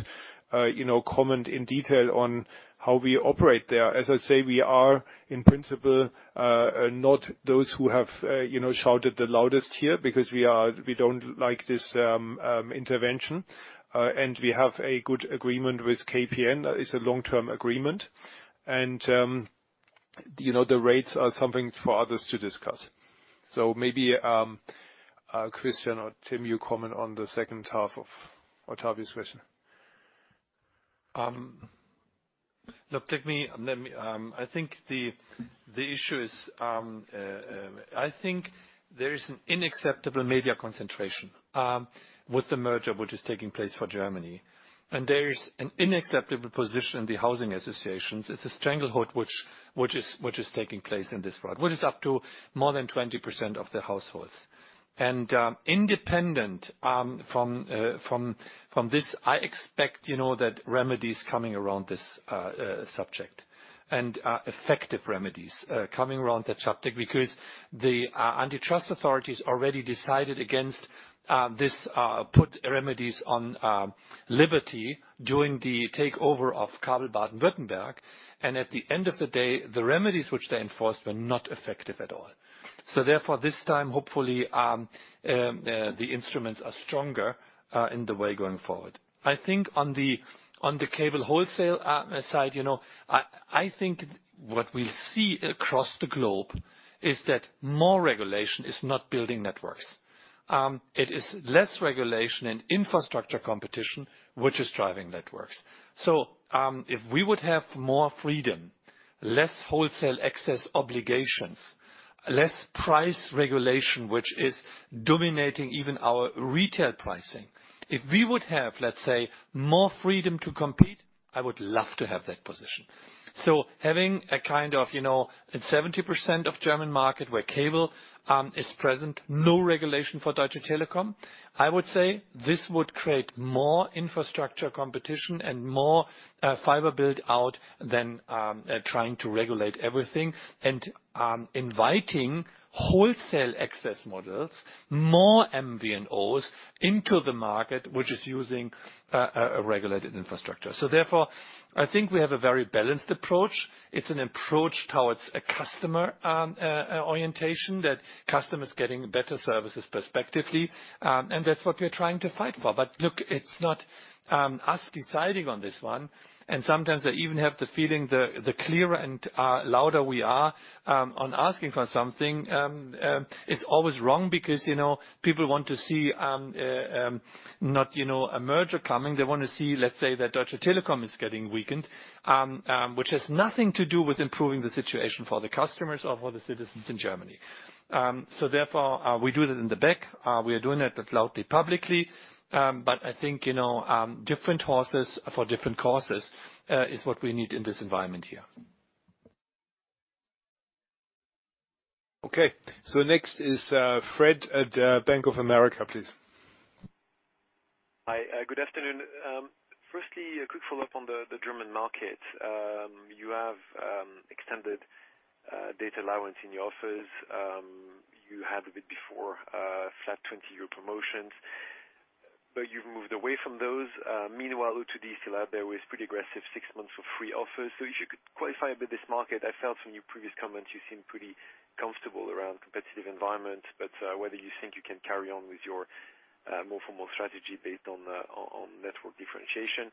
Speaker 2: comment in detail on how we operate there. As I say, we are in principle, not those who have shouted the loudest here because we don't like this intervention. We have a good agreement with KPN. It's a long-term agreement. The rates are something for others to discuss. Maybe, Christian or Tim, you comment on the second half of Ottavio's question.
Speaker 3: I think there is an unacceptable media concentration with the merger, which is taking place for Germany. There is an unacceptable position in the housing associations. It's a stranglehold which is taking place in this regard, which is up to more than 20% of the households. Independent from this, I expect that remedies coming around this subject and effective remedies coming around that subject because the antitrust authorities already decided against this put remedies on Liberty during the takeover of Kabel Baden-Württemberg. At the end of the day, the remedies which they enforced were not effective at all. This time, hopefully, the instruments are stronger in the way going forward. I think on the cable wholesale side, I think what we see across the globe is that more regulation is not building networks. It is less regulation and infrastructure competition which is driving networks. If we would have more freedom, less wholesale access obligations, less price regulation, which is dominating even our retail pricing. If we would have, let's say, more freedom to compete, I would love to have that position. Having a kind of at 70% of German market where cable is present, no regulation for Deutsche Telekom, I would say this would create more infrastructure competition and more fiber build-out than trying to regulate everything and inviting wholesale access models, more MVNOs into the market, which is using a regulated infrastructure. I think we have a very balanced approach. It's an approach towards a customer orientation, that customer is getting better services perspectively, and that's what we're trying to fight for. Look, it's not us deciding on this one, sometimes I even have the feeling the clearer and louder we are on asking for something, it's always wrong because people want to see not a merger coming, they want to see, let's say, that Deutsche Telekom is getting weakened, which has nothing to do with improving the situation for the customers or for the citizens in Germany. Therefore, we do it in the back. We are doing it loudly, publicly. I think, different horses for different courses is what we need in this environment here.
Speaker 2: Okay, next is Fred at Bank of America, please.
Speaker 11: Hi, good afternoon. Firstly, a quick follow-up on the German market. You have extended data allowance in your offers. You had a bit before flat 20-year promotions, you've moved away from those. Meanwhile, O2 Germany still out there with pretty aggressive six months for free offers. If you could qualify a bit this market. I felt from your previous comments you seem pretty comfortable around competitive environment, whether you think you can carry on with your more for more strategy based on network differentiation.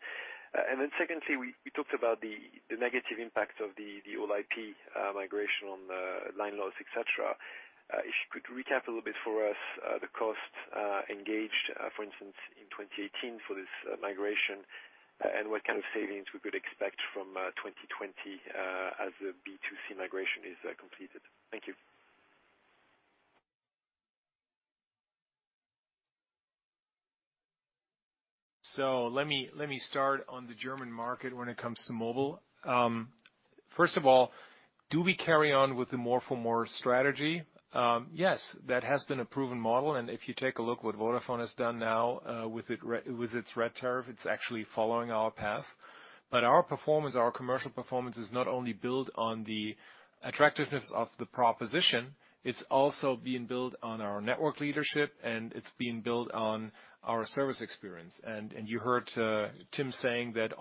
Speaker 11: Secondly, we talked about the negative impact of the All-IP migration on the line loss, et cetera. If you could recap a little bit for us the cost engaged, for instance, in 2018 for this migration, what kind of savings we could expect from 2020 as the B2C migration is completed. Thank you.
Speaker 4: Let me start on the German market when it comes to mobile. First of all, do we carry on with the more for more strategy? Yes, that has been a proven model, if you take a look what Vodafone has done now with its Red tariff, it's actually following our path. Our performance, our commercial performance is not only built on the attractiveness of the proposition, it's also being built on our network leadership, it's being built on our service experience. You heard Tim saying that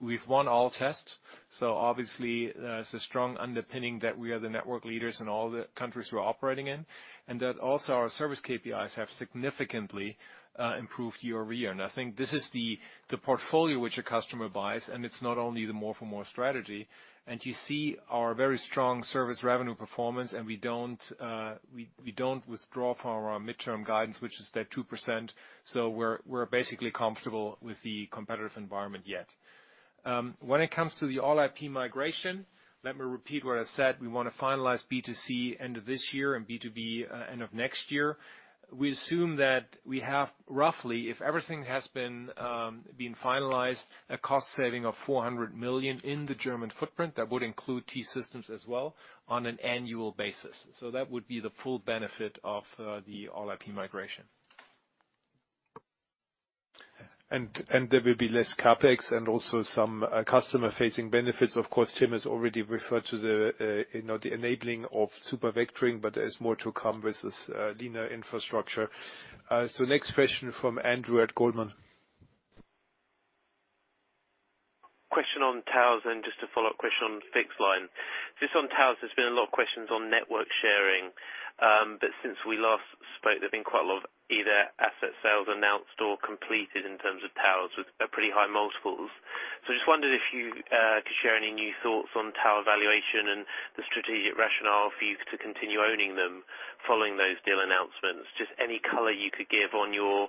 Speaker 4: we've won all tests. Obviously, there's a strong underpinning that we are the network leaders in all the countries we're operating in, that also our service KPIs have significantly improved year-over-year. I think this is the portfolio which a customer buys, it's not only the more for more strategy. You see our very strong service revenue performance, and we don't withdraw from our midterm guidance, which is that 2%. We're basically comfortable with the competitive environment yet. When it comes to the All-IP migration, let me repeat what I said. We want to finalize B2C end of this year and B2B end of next year. We assume that we have roughly, if everything has been finalized, a cost saving of 400 million in the German footprint, that would include T-Systems as well, on an annual basis. That would be the full benefit of the All-IP migration.
Speaker 2: There will be less CapEx and also some customer-facing benefits. Of course, Tim has already referred to the enabling of supervectoring, but there's more to come with this leaner infrastructure. Next question from Andrew at Goldman Sachs.
Speaker 12: Question on towers and just a follow-up question on fixed line. Just on towers, there's been a lot of questions on network sharing. Since we last spoke, there's been quite a lot of either asset sales announced or completed in terms of towers with pretty high multiples. I just wondered if you could share any new thoughts on tower valuation and the strategic rationale for you to continue owning them following those deal announcements. Just any color you could give on your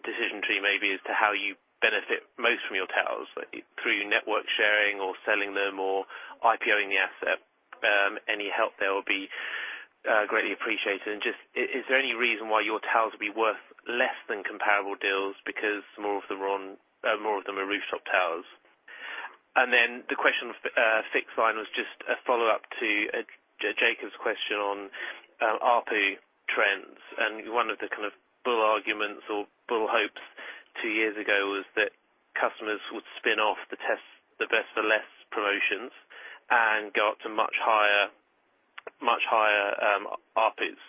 Speaker 12: decision tree, maybe, as to how you benefit most from your towers, through network sharing or selling them or IPO-ing the asset. Any help there will be greatly appreciated. Just, is there any reason why your towers would be worth less than comparable deals because more of them are rooftop towers? The question of fixed line was just a follow-up to Jakob's question on ARPU trends. One of the kind of bull arguments or bull hopes two years ago was that customers would spin off the best for less promotions and go up to much higher ARPUs.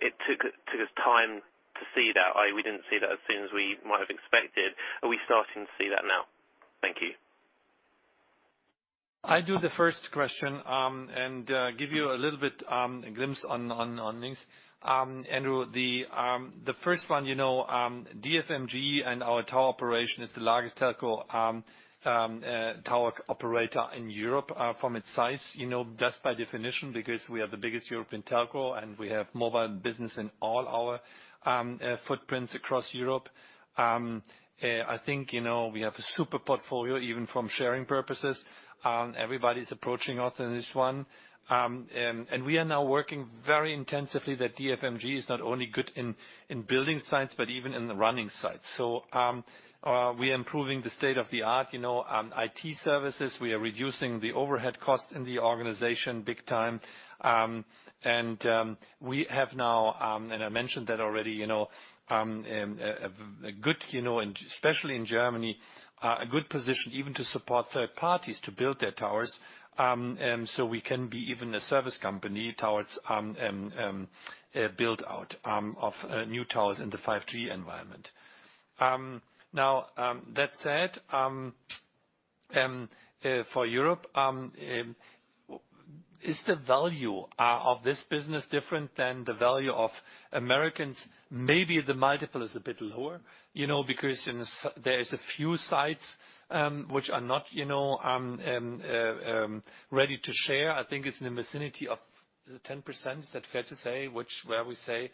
Speaker 12: It took us time to see that. We didn't see that as soon as we might have expected. Are we starting to see that now? Thank you.
Speaker 3: I do the first question, and give you a little bit glimpse on things. Andrew, the first one, DFMG and our tower operation is the largest telco tower operator in Europe, from its size. Just by definition, because we are the biggest European telco, and we have mobile business in all our footprints across Europe. I think, we have a super portfolio, even from sharing purposes. Everybody's approaching us in this one. We are now working very intensively that DFMG is not only good in building sites, but even in the running sites. We are improving the state-of-the-art IT services. We are reducing the overhead cost in the organization big time. We have now, and I mentioned that already, especially in Germany, a good position even to support third parties to build their towers. We can be even a service company towards build out of new towers in the 5G environment. That said, for Europe, is the value of this business different than the value of Americans? Maybe the multiple is a bit lower, because there is a few sites, which are not ready to share. I think it's in the vicinity of 10%. Is that fair to say? Which where we say,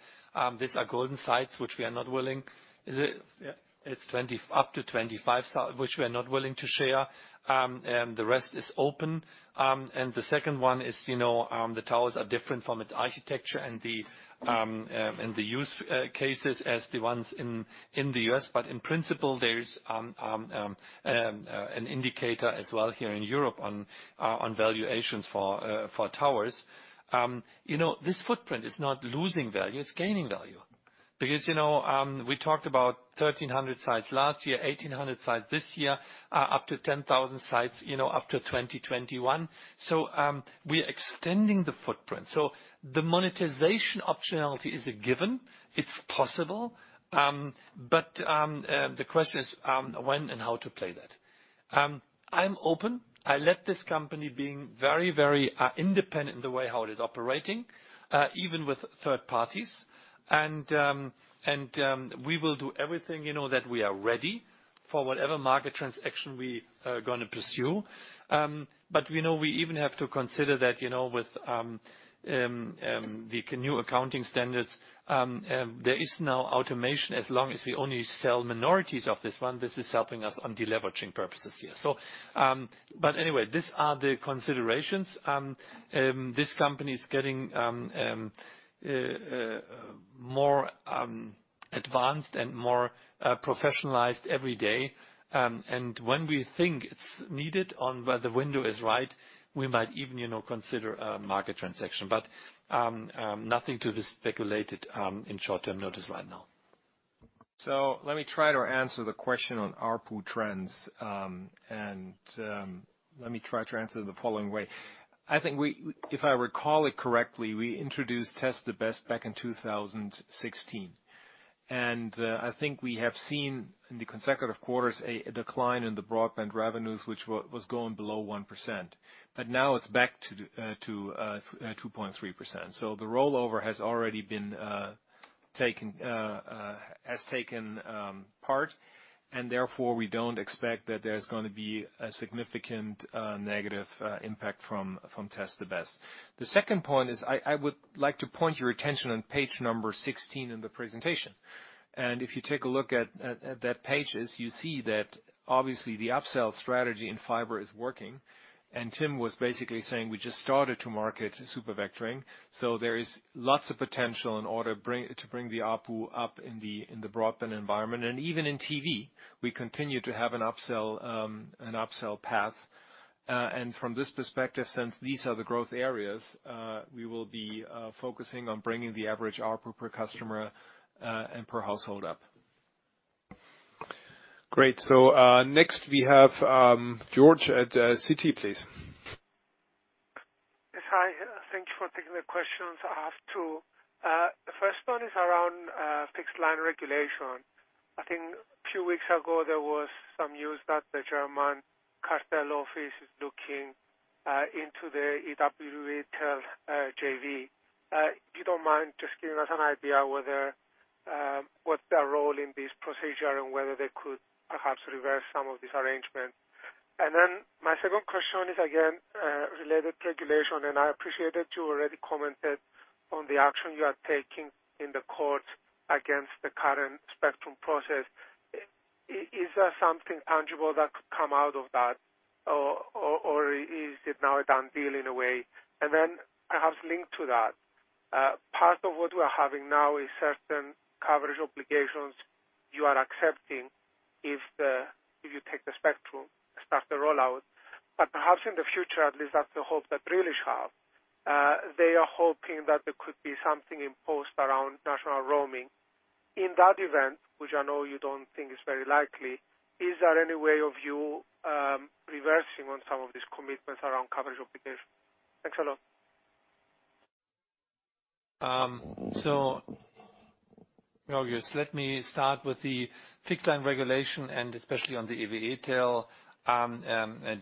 Speaker 3: these are golden sites which we are not willing-- It's up to 25 sites, which we are not willing to share. The rest is open. The second one is, the towers are different from its architecture and the use cases as the ones in the U.S. But in principle, there's an indicator as well here in Europe on valuations for towers. This footprint is not losing value, it's gaining value. We talked about 1,300 sites last year, 1,800 sites this year, up to 10,000 sites, up to 2021. We're extending the footprint. The monetization optionality is a given. It's possible. The question is, when and how to play that. I'm open. I let this company being very independent in the way how it is operating, even with third parties. We will do everything that we are ready for whatever market transaction we are going to pursue. We even have to consider that with the new accounting standards, there is now automation as long as we only sell minorities of this one. This is helping us on deleveraging purposes here. Anyway, these are the considerations. This company is getting more advanced and more professionalized every day. When we think it's needed on whether window is right, we might even consider a market transaction. Nothing to be speculated, in short-term notice right now.
Speaker 4: Let me try to answer the question on ARPU trends. Let me try to answer the following way. I think, if I recall it correctly, we introduced Test the Best back in 2016. I think we have seen in the consecutive quarters a decline in the broadband revenues, which was going below 1%. Now it's back to 2.3%. The rollover has already taken part, and therefore, we don't expect that there's going to be a significant negative impact from Test the Best. The second point is, I would like to point your attention on page number 16 in the presentation. If you take a look at that page, you see that obviously the upsell strategy in fiber is working. Tim was basically saying we just started to market Supervectoring. There is lots of potential in order to bring the ARPU up in the broadband environment. Even in TV, we continue to have an upsell path. From this perspective, since these are the growth areas, we will be focusing on bringing the average ARPU per customer, and per household up.
Speaker 2: Great. Next we have George at Citi, please.
Speaker 13: Yes. Hi. Thank you for taking the questions. I have two. The first one is around fixed line regulation. I think a few weeks ago, there was some news that the German cartel office is looking into the EWE TEL JV. If you don't mind, just give us an idea what's their role in this procedure and whether they could perhaps reverse some of this arrangement. My second question is again, related to regulation, and I appreciated you already commented on the action you are taking in the court against the current spectrum process. Is there something tangible that could come out of that or is it now a done deal in a way? Perhaps linked to that, part of what we're having now is certain coverage obligations you are accepting if you take the spectrum, start the rollout. But perhaps in the future, at least that's the hope that British have, they are hoping that there could be something imposed around national roaming. In that event, which I know you don't think is very likely, is there any way of you reversing on some of these commitments around coverage obligation? Thanks a lot.
Speaker 3: Georgios, let me start with the fixed line regulation and especially on the EWE TEL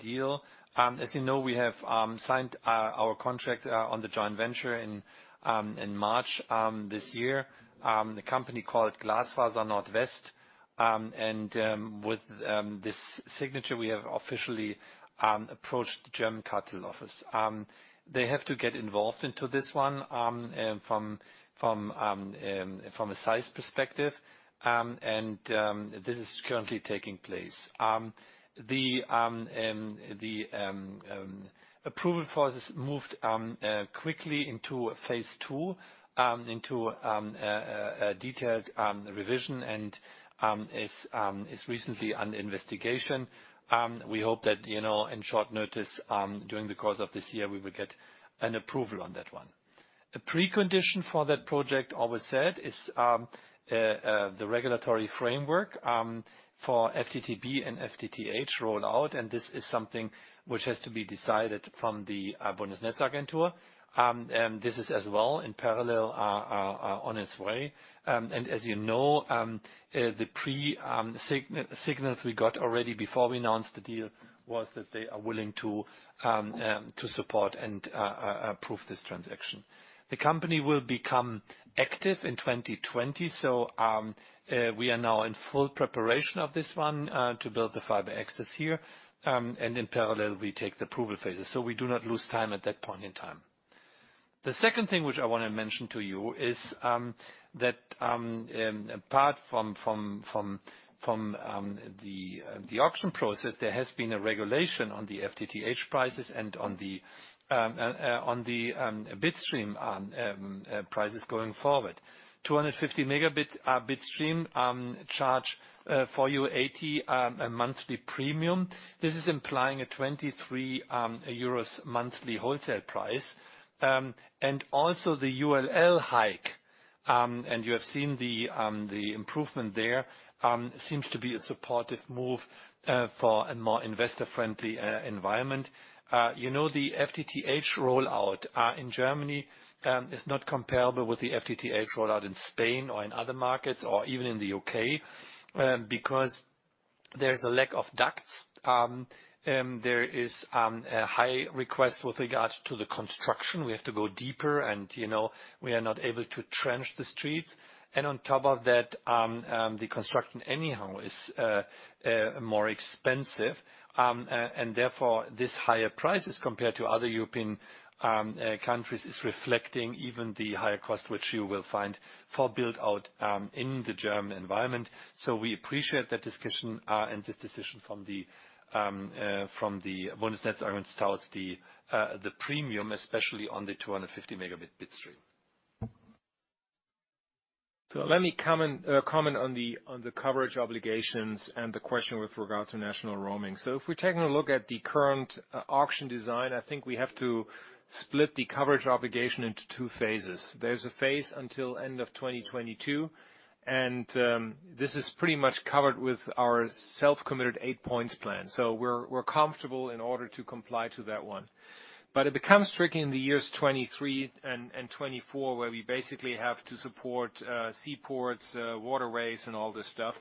Speaker 3: deal. As you know, we have signed our contract on the joint venture in March this year. The company called Glasfaser Nordwest, and with this signature, we have officially approached the German Cartel Office. They have to get involved into this one from a size perspective, and this is currently taking place. The approval process moved quickly into phase 2, into a detailed revision and is recently under investigation. We hope that in short notice, during the course of this year, we will get an approval on that one. A precondition for that project, always said, is the regulatory framework for FTTB and FTTH rollout, and this is something which has to be decided from the Bundesnetzagentur. This is as well in parallel on its way. As you know, the pre-signals we got already before we announced the deal was that they are willing to support and approve this transaction. The company will become active in 2020. So we are now in full preparation of this one to build the fiber access here. In parallel, we take the approval phases. We do not lose time at that point in time. The second thing which I want to mention to you is that, apart from the auction process, there has been a regulation on the FTTH prices and on the bit stream prices going forward. 250 megabit bit stream charge for 80 monthly premium. This is implying a 23 euros monthly wholesale price. Also the ULL hike, and you have seen the improvement there, seems to be a supportive move for a more investor-friendly environment. The FTTH rollout in Germany is not comparable with the FTTH rollout in Spain or in other markets or even in the U.K. because there is a lack of ducts. There is a high request with regard to the construction. We have to go deeper, and we are not able to trench the streets. On top of that, the construction anyhow is more expensive. Therefore, this higher price is compared to other European countries, is reflecting even the higher cost which you will find for build-out in the German environment. We appreciate that discussion and this decision from the Bundesnetzagentur towards the premium, especially on the 250 megabit bit stream.
Speaker 4: Let me comment on the coverage obligations and the question with regard to national roaming. If we are taking a look at the current auction design, I think we have to split the coverage obligation into two phases. There is a phase until end of 2022, and this is pretty much covered with our self-committed 8-point plan. We are comfortable in order to comply to that one. But it becomes tricky in the years 2023 and 2024, where we basically have to support seaports, waterways, and all this stuff.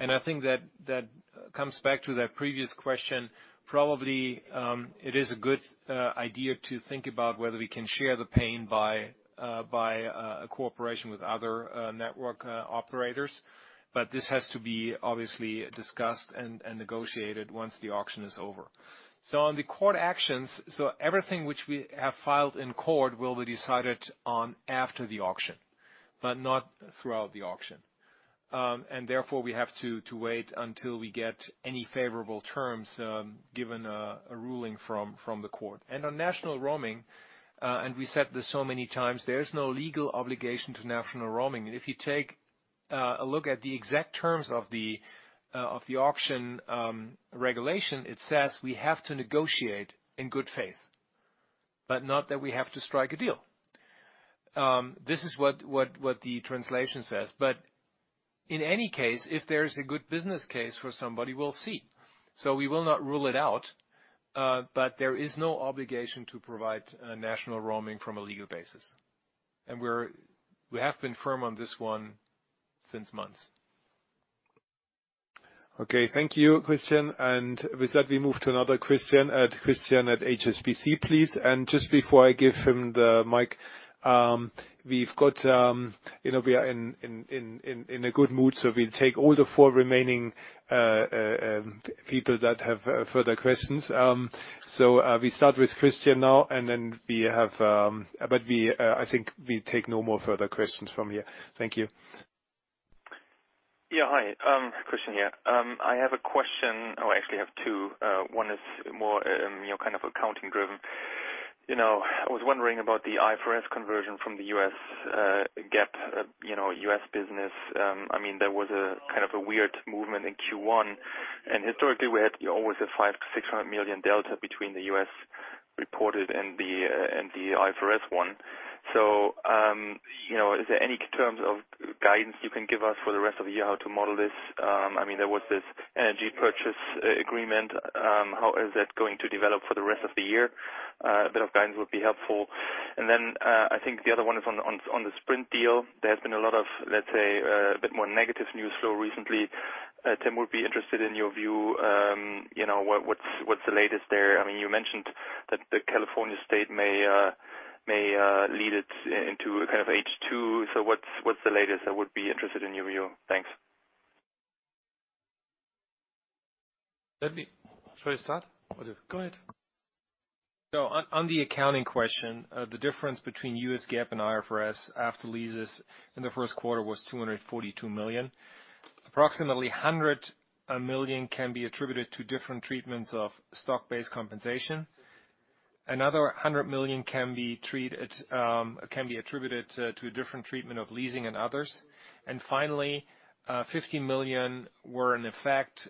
Speaker 4: I think that comes back to that previous question. Probably, it is a good idea to think about whether we can share the pain by a cooperation with other network operators. This has to be obviously discussed and negotiated once the auction is over. On the court actions, everything which we have filed in court will be decided on after the auction, but not throughout the auction. Therefore, we have to wait until we get any favorable terms, given a ruling from the court. On national roaming, we said this so many times, there is no legal obligation to national roaming. If you take a look at the exact terms of the auction regulation, it says we have to negotiate in good faith, but not that we have to strike a deal. This is what the translation says. In any case, if there is a good business case for somebody, we will see. We will not rule it out. But there is no obligation to provide national roaming from a legal basis. And we have been firm on this one since months.
Speaker 2: Okay. Thank you, Christian. And with that, we move to another Christian. Christian at HSBC, please. Just before I give him the mic, we are in a good mood, so we will take all the four remaining people that have further questions. We start with Christian now, and then I think we take no more further questions from here. Thank you.
Speaker 14: Hi, Christian here. I have a question. I actually have two. One is more kind of accounting driven. I was wondering about the IFRS conversion from the U.S. GAAP, U.S. business. There was a kind of a weird movement in Q1. Historically, we had always a 500 million-600 million delta between the U.S. reported in the IFRS one. Is there any terms of guidance you can give us for the rest of the year how to model this? There was this energy purchase agreement. How is that going to develop for the rest of the year? A bit of guidance would be helpful. I think the other one is on the Sprint deal. There has been a lot of, let's say, a bit more negative news flow recently. Tim, would be interested in your view. What is the latest there? You mentioned that the California state may lead it into H2. What's the latest? I would be interested in your view. Thanks.
Speaker 3: Shall I start or Go ahead.
Speaker 4: On the accounting question, the difference between US GAAP and IFRS after leases in the first quarter was $242 million. Approximately $100 million can be attributed to different treatments of stock-based compensation. Another $100 million can be attributed to a different treatment of leasing and others. Finally, $50 million were in effect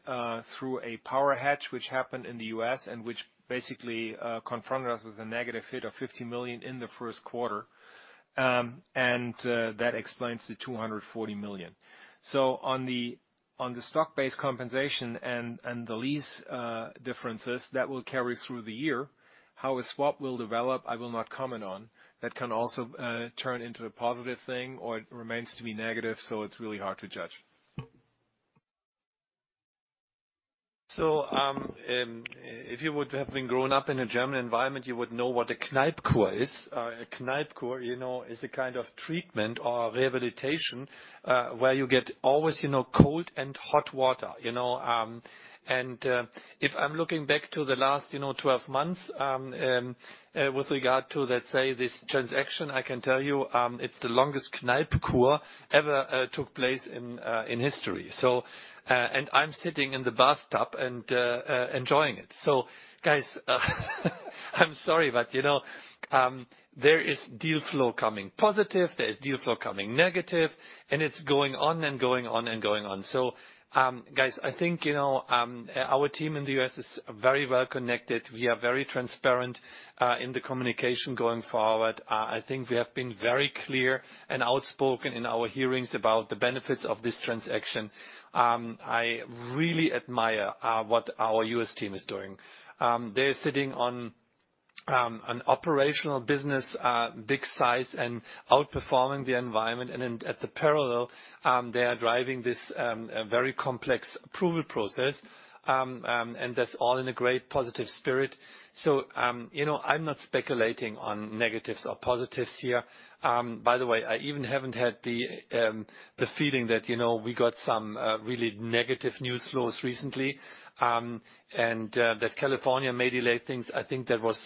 Speaker 4: through a power hedge, which happened in the U.S. and which basically confronted us with a negative hit of $50 million in the first quarter. That explains the $240 million. On the stock-based compensation and the lease differences, that will carry through the year. How a swap will develop, I will not comment on. That can also turn into a positive thing, or it remains to be negative. It's really hard to judge.
Speaker 3: If you would have been growing up in a German environment, you would know what a Kneipp cure is. A Kneipp cure is a kind of treatment or rehabilitation, where you get always cold and hot water. If I'm looking back to the last 12 months, with regard to, let's say, this transaction, I can tell you, it's the longest Kneipp cure ever took place in history. I'm sitting in the bathtub and enjoying it. Guys, I'm sorry, but there is deal flow coming positive, there is deal flow coming negative, and it's going on and going on and going on. Guys, I think, our team in the U.S. is very well connected. We are very transparent in the communication going forward. I think we have been very clear and outspoken in our hearings about the benefits of this transaction. I really admire what our U.S. team is doing. They're sitting on an operational business, big size, and outperforming the environment. At the parallel, they are driving this very complex approval process. That's all in a great positive spirit. I'm not speculating on negatives or positives here. By the way, I even haven't had the feeling that we got some really negative news flows recently. That California may delay things, I think that was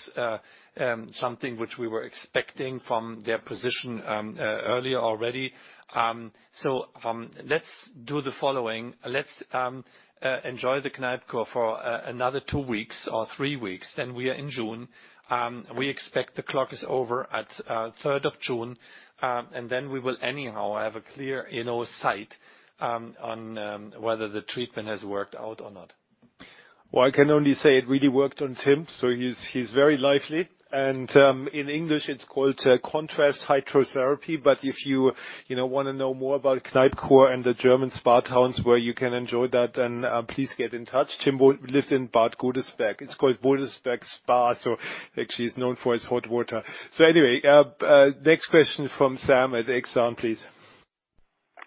Speaker 3: something which we were expecting from their position earlier already. Let's do the following. Let's enjoy the Kneipp cure for another two weeks or three weeks. We are in June. We expect the clock is over at 3rd of June. Then we will anyhow have a clear sight on whether the treatment has worked out or not.
Speaker 2: Well, I can only say it really worked on Tim, so he's very lively. In English it's called contrast hydrotherapy. If you want to know more about Kneipp cure and the German spa towns where you can enjoy that, then please get in touch. Tim lives in Bad Godesberg. It's called Godesberg Spa, so actually it's known for its hot water. Anyway, next question from Sam at Exane please.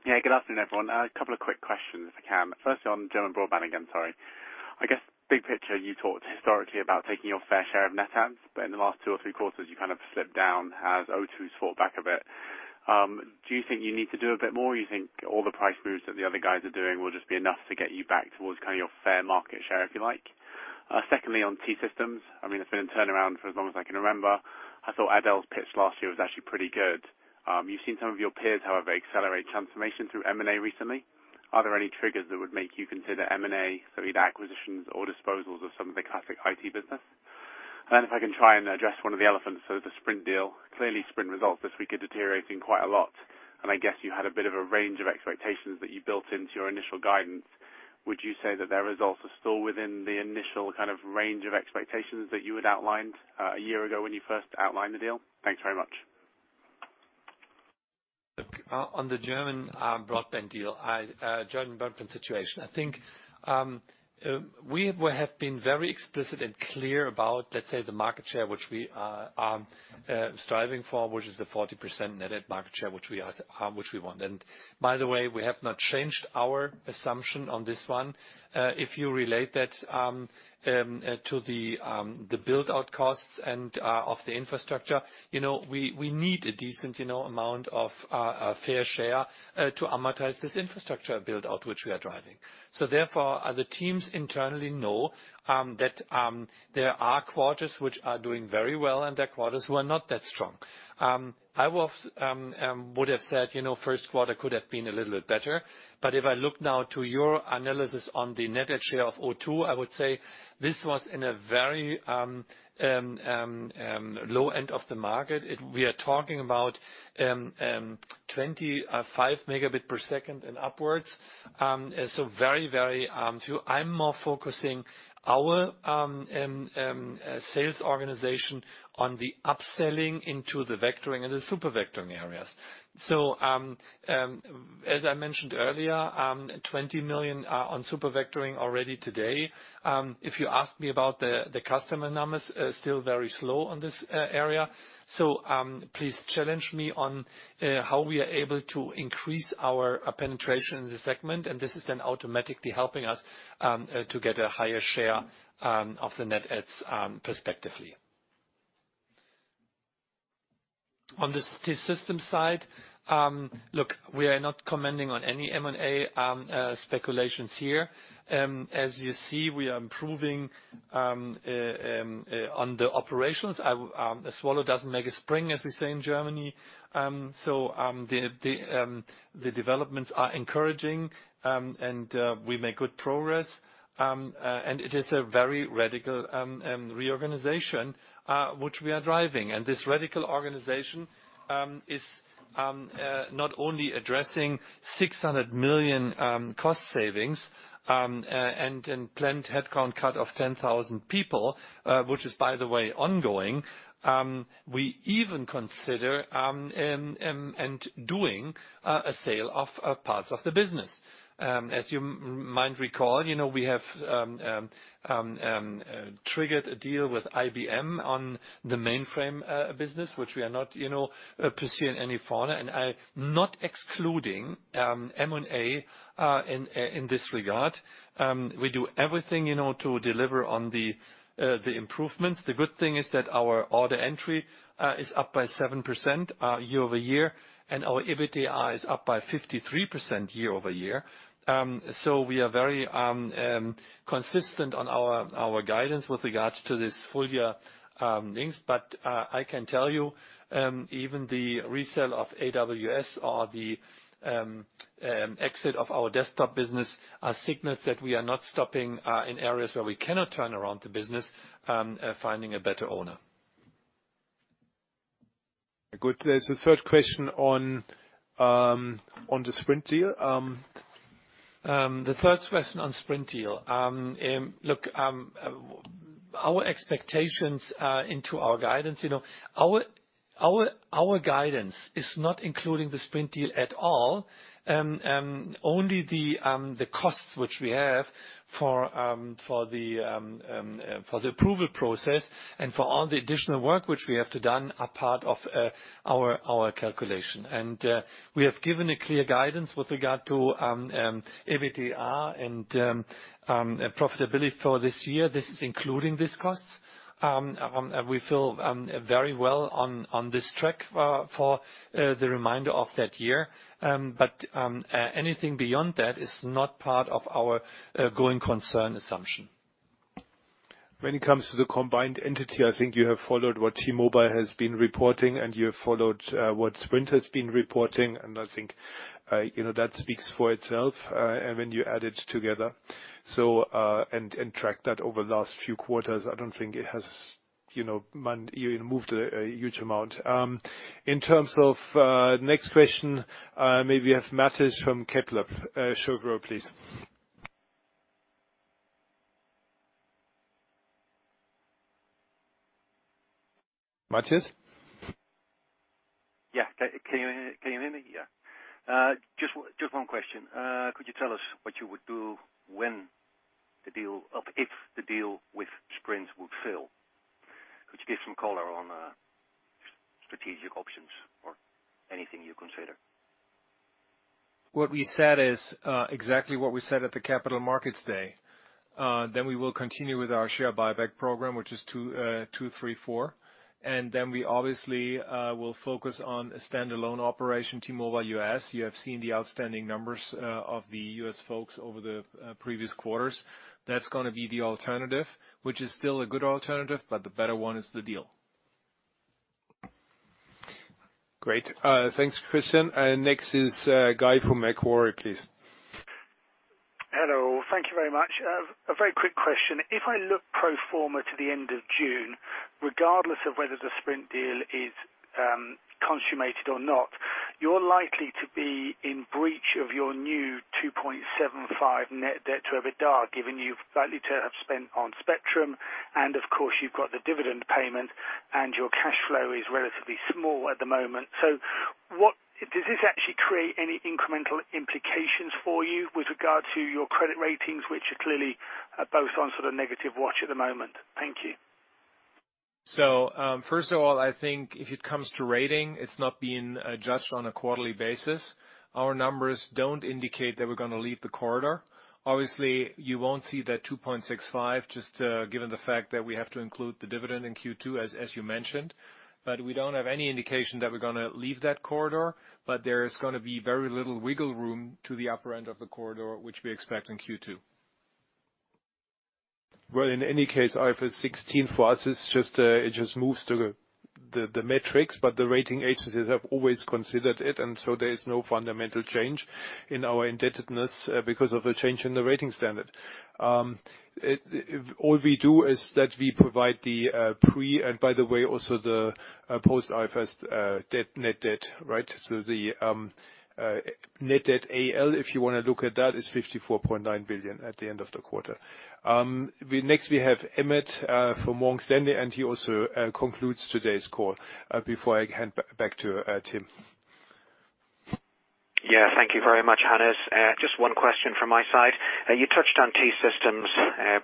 Speaker 15: Good afternoon, everyone. A couple of quick questions if I can. Firstly, on German broadband again, sorry. I guess big picture, you talked historically about taking your fair share of net adds, but in the last two or three quarters you kind of slipped down as O2's fought back a bit. Do you think you need to do a bit more? You think all the price moves that the other guys are doing will just be enough to get you back towards your fair market share, if you like? Secondly, on T-Systems. It's been in turnaround for as long as I can remember. I thought Adel's pitch last year was actually pretty good. You've seen some of your peers, however, accelerate transformation through M&A recently. Are there any triggers that would make you consider M&A, so either acquisitions or disposals of some of the classic IT business? Then if I can try and address one of the elephants, so the Sprint deal. Clearly Sprint results this week are deteriorating quite a lot, and I guess you had a bit of a range of expectations that you built into your initial guidance. Would you say that their results are still within the initial range of expectations that you had outlined a year ago when you first outlined the deal? Thanks very much.
Speaker 3: On the German broadband deal, German broadband situation. I think, we have been very explicit and clear about, let's say, the market share which we are striving for, which is the 40% net add market share which we want. By the way, we have not changed our assumption on this one. If you relate that to the build-out costs and of the infrastructure, we need a decent amount of fair share to amortize this infrastructure build-out which we are driving. Therefore, the teams internally know that there are quarters which are doing very well and there are quarters who are not that strong. I would have said first quarter could have been a little bit better. If I look now to your analysis on the net add share of O2, I would say this was in a very low end of the market. We are talking about 25 megabit per second and upwards. Very low. I'm more focusing our sales organization on the upselling into the vectoring and the supervectoring areas. As I mentioned earlier, 20 million are on supervectoring already today. If you ask me about the customer numbers, still very slow on this area. Please challenge me on how we are able to increase our penetration in the segment, and this is then automatically helping us to get a higher share of the net adds perspectively. On the T-Systems side, look, we are not commenting on any M&A speculations here. As you see, we are improving on the operations. A swallow doesn't make a spring, as we say in Germany. The developments are encouraging, and we make good progress. It is a very radical reorganization, which we are driving. This radical organization is not only addressing 600 million cost savings and planned headcount cut of 10,000 people, which is, by the way, ongoing. We even consider doing a sale of parts of the business. As you might recall, we have triggered a deal with IBM on the mainframe business, which we are not pursuing any further, and I am not excluding M&A in this regard. We do everything in order to deliver on the improvements. The good thing is that our order entry is up by 7% year-over-year, and our EBITDA is up by 53% year-over-year. We are very consistent on our guidance with regards to this full year links. I can tell you, even the resale of AWS or the exit of our desktop business are signals that we are not stopping in areas where we cannot turn around the business, finding a better owner.
Speaker 2: Good. There is a third question on the Sprint deal.
Speaker 3: The third question on Sprint deal. Look, our expectations into our guidance. Our guidance is not including the Sprint deal at all. Only the costs which we have for the approval process and for all the additional work which we have to done are part of our calculation. We have given a clear guidance with regard to EBITDA and profitability for this year. This is including these costs. We feel very well on this track for the remainder of that year. Anything beyond that is not part of our going concern assumption.
Speaker 2: When it comes to the combined entity, I think you have followed what T-Mobile has been reporting, and you have followed what Sprint has been reporting, and I think that speaks for itself, and when you add it together. Track that over the last few quarters, I don't think it has moved a huge amount. In terms of next question, may we have Mathis from Kepler Cheuvreux, please. Mathis?
Speaker 16: Yeah. Can you hear me? Yeah. Just one question. Could you tell us what you would do when the deal or if the deal with Sprint would fail? Could you give some color on strategic options or anything you consider?
Speaker 4: What we said is exactly what we said at the Capital Markets Day. We will continue with our share buyback program, which is two, three, four. We obviously will focus on a standalone operation, T-Mobile US. You have seen the outstanding numbers of the U.S. folks over the previous quarters. That's going to be the alternative, which is still a good alternative, but the better one is the deal.
Speaker 2: Great. Thanks, Christian. Next is Guy from Macquarie, please.
Speaker 17: Hello. Thank you very much. A very quick question. If I look pro forma to the end of June, regardless of whether the Sprint deal is consummated or not, you're likely to be in breach of your new 2.75 net debt to EBITDA, given you've likely to have spent on spectrum, and of course, you've got the dividend payment, and your cash flow is relatively small at the moment. Does this actually create any incremental implications for you with regard to your credit ratings, which are clearly both on sort of negative watch at the moment? Thank you.
Speaker 4: First of all, I think if it comes to rating, it's not being judged on a quarterly basis. Our numbers don't indicate that we're going to leave the corridor. Obviously, you won't see that 2.65 just given the fact that we have to include the dividend in Q2, as you mentioned. We don't have any indication that we're going to leave that corridor, but there is going to be very little wiggle room to the upper end of the corridor, which we expect in Q2.
Speaker 2: In any case, IFRS 16 for us, it just moves the metrics, the rating agencies have always considered it, there is no fundamental change in our indebtedness because of a change in the rating standard. All we do is that we provide the pre and, by the way, also the post IFRS net debt, right? The net debt AL, if you want to look at that, is 54.9 billion at the end of the quarter. Next we have Emmet from Morgan Stanley, he also concludes today's call. Before I hand back to Tim.
Speaker 18: Thank you very much, Hannes. Just one question from my side. You touched on T-Systems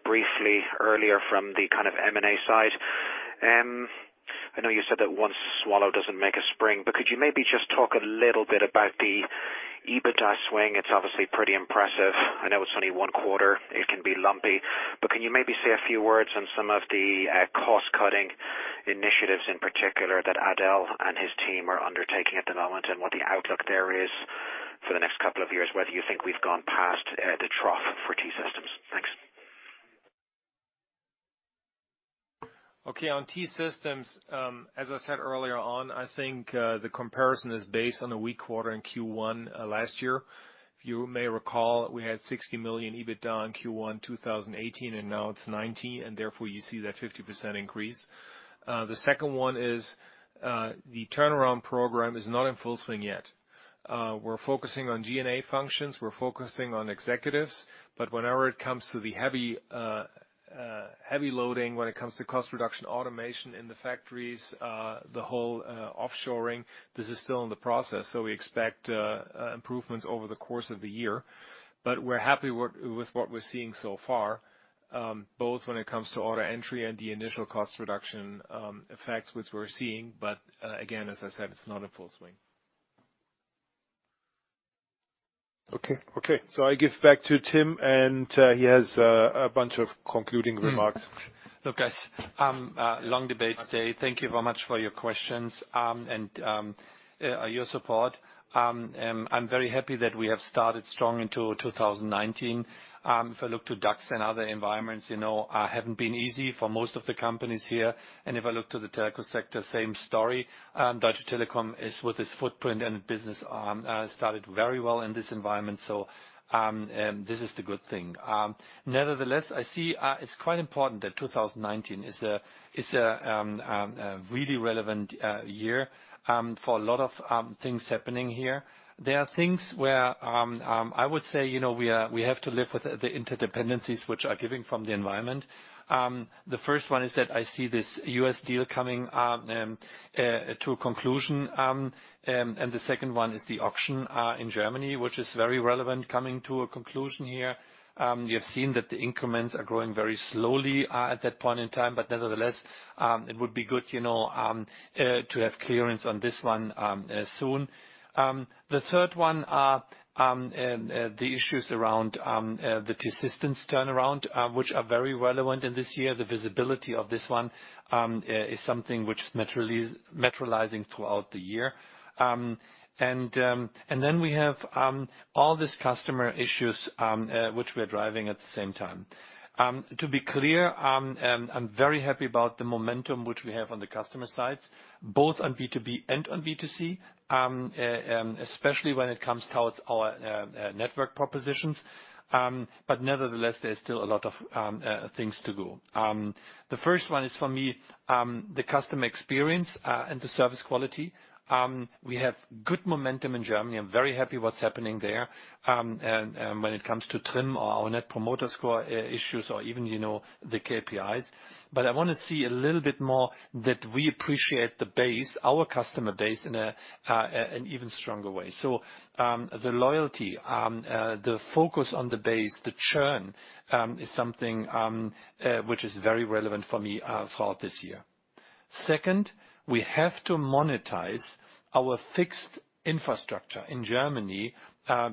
Speaker 18: briefly earlier from the kind of M&A side. I know you said that one swallow doesn't make a spring, could you maybe just talk a little bit about the EBITDA swing, it's obviously pretty impressive. I know it's only one quarter, it can be lumpy. Can you maybe say a few words on some of the cost-cutting initiatives in particular that Adel and his team are undertaking at the moment, what the outlook there is for the next couple of years, whether you think we've gone past the trough for T-Systems? Thanks.
Speaker 4: On T-Systems, as I said earlier on, I think, the comparison is based on a weak quarter in Q1 last year. If you may recall, we had 60 million EBITDA in Q1 2018, now it's 19, you see that 50% increase. The second one is, the turnaround program is not in full swing yet. We're focusing on G&A functions. We're focusing on executives. Whenever it comes to the heavy loading, when it comes to cost reduction, automation in the factories, the whole offshoring, this is still in the process. We expect improvements over the course of the year. We're happy with what we're seeing so far, both when it comes to order entry and the initial cost reduction effects, which we're seeing. Again, as I said, it's not in full swing.
Speaker 2: Okay. I give back to Tim, he has a bunch of concluding remarks.
Speaker 3: Look, guys, long debate today. Thank you very much for your questions, and your support. I'm very happy that we have started strong into 2019. If I look to DAX and other environments, haven't been easy for most of the companies here. If I look to the telecom sector, same story. Deutsche Telekom is, with its footprint and business, started very well in this environment. This is the good thing. Nevertheless, I see it's quite important that 2019 is a really relevant year, for a lot of things happening here. There are things where, I would say, we have to live with the interdependencies which are giving from the environment. The first one is that I see this U.S. deal coming to a conclusion. The second one is the auction in Germany, which is very relevant coming to a conclusion here. You have seen that the increments are growing very slowly at that point in time, but nevertheless, it would be good to have clearance on this one soon. The third one are the issues around the T-Systems turnaround, which are very relevant in this year. The visibility of this one is something which materializing throughout the year. We have all these customer issues which we are driving at the same time. To be clear, I'm very happy about the momentum which we have on the customer sides, both on B2B and on B2C, especially when it comes towards our network propositions. Nevertheless, there is still a lot of things to do. The first one is, for me, the customer experience, and the service quality. We have good momentum in Germany. I'm very happy what's happening there. When it comes to TRI*M or our Net Promoter Score issues or even the KPIs. I want to see a little bit more that we appreciate the base, our customer base, in an even stronger way. The loyalty, the focus on the base, the churn, is something which is very relevant for me throughout this year. Second, we have to monetize our fixed infrastructure in Germany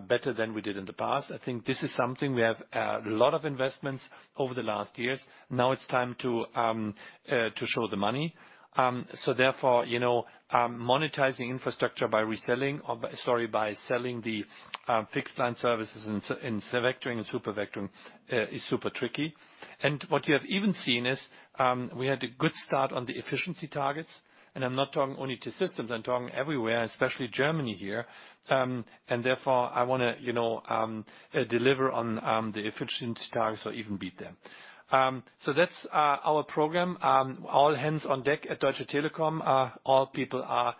Speaker 3: better than we did in the past. I think this is something we have a lot of investments over the last years. Now it's time to show the money. Monetizing infrastructure by selling the fixed line services in vectoring and supervectoring is super tricky. What you have even seen is, we had a good start on the efficiency targets. I'm not talking only T-Systems, I'm talking everywhere, especially Germany here. I want to deliver on the efficiency targets or even beat them. That's our program. All hands on deck at Deutsche Telekom. All people are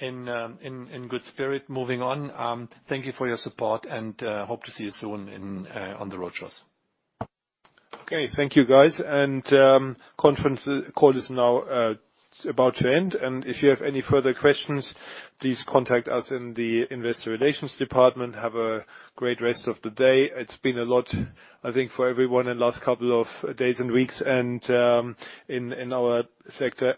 Speaker 3: in good spirit moving on. Thank you for your support and hope to see you soon on the roadshows.
Speaker 2: Okay. Thank you, guys. Conference call is now about to end. If you have any further questions, please contact us in the investor relations department. Have a great rest of the day. It's been a lot, I think, for everyone in last couple of days and weeks and in our sector.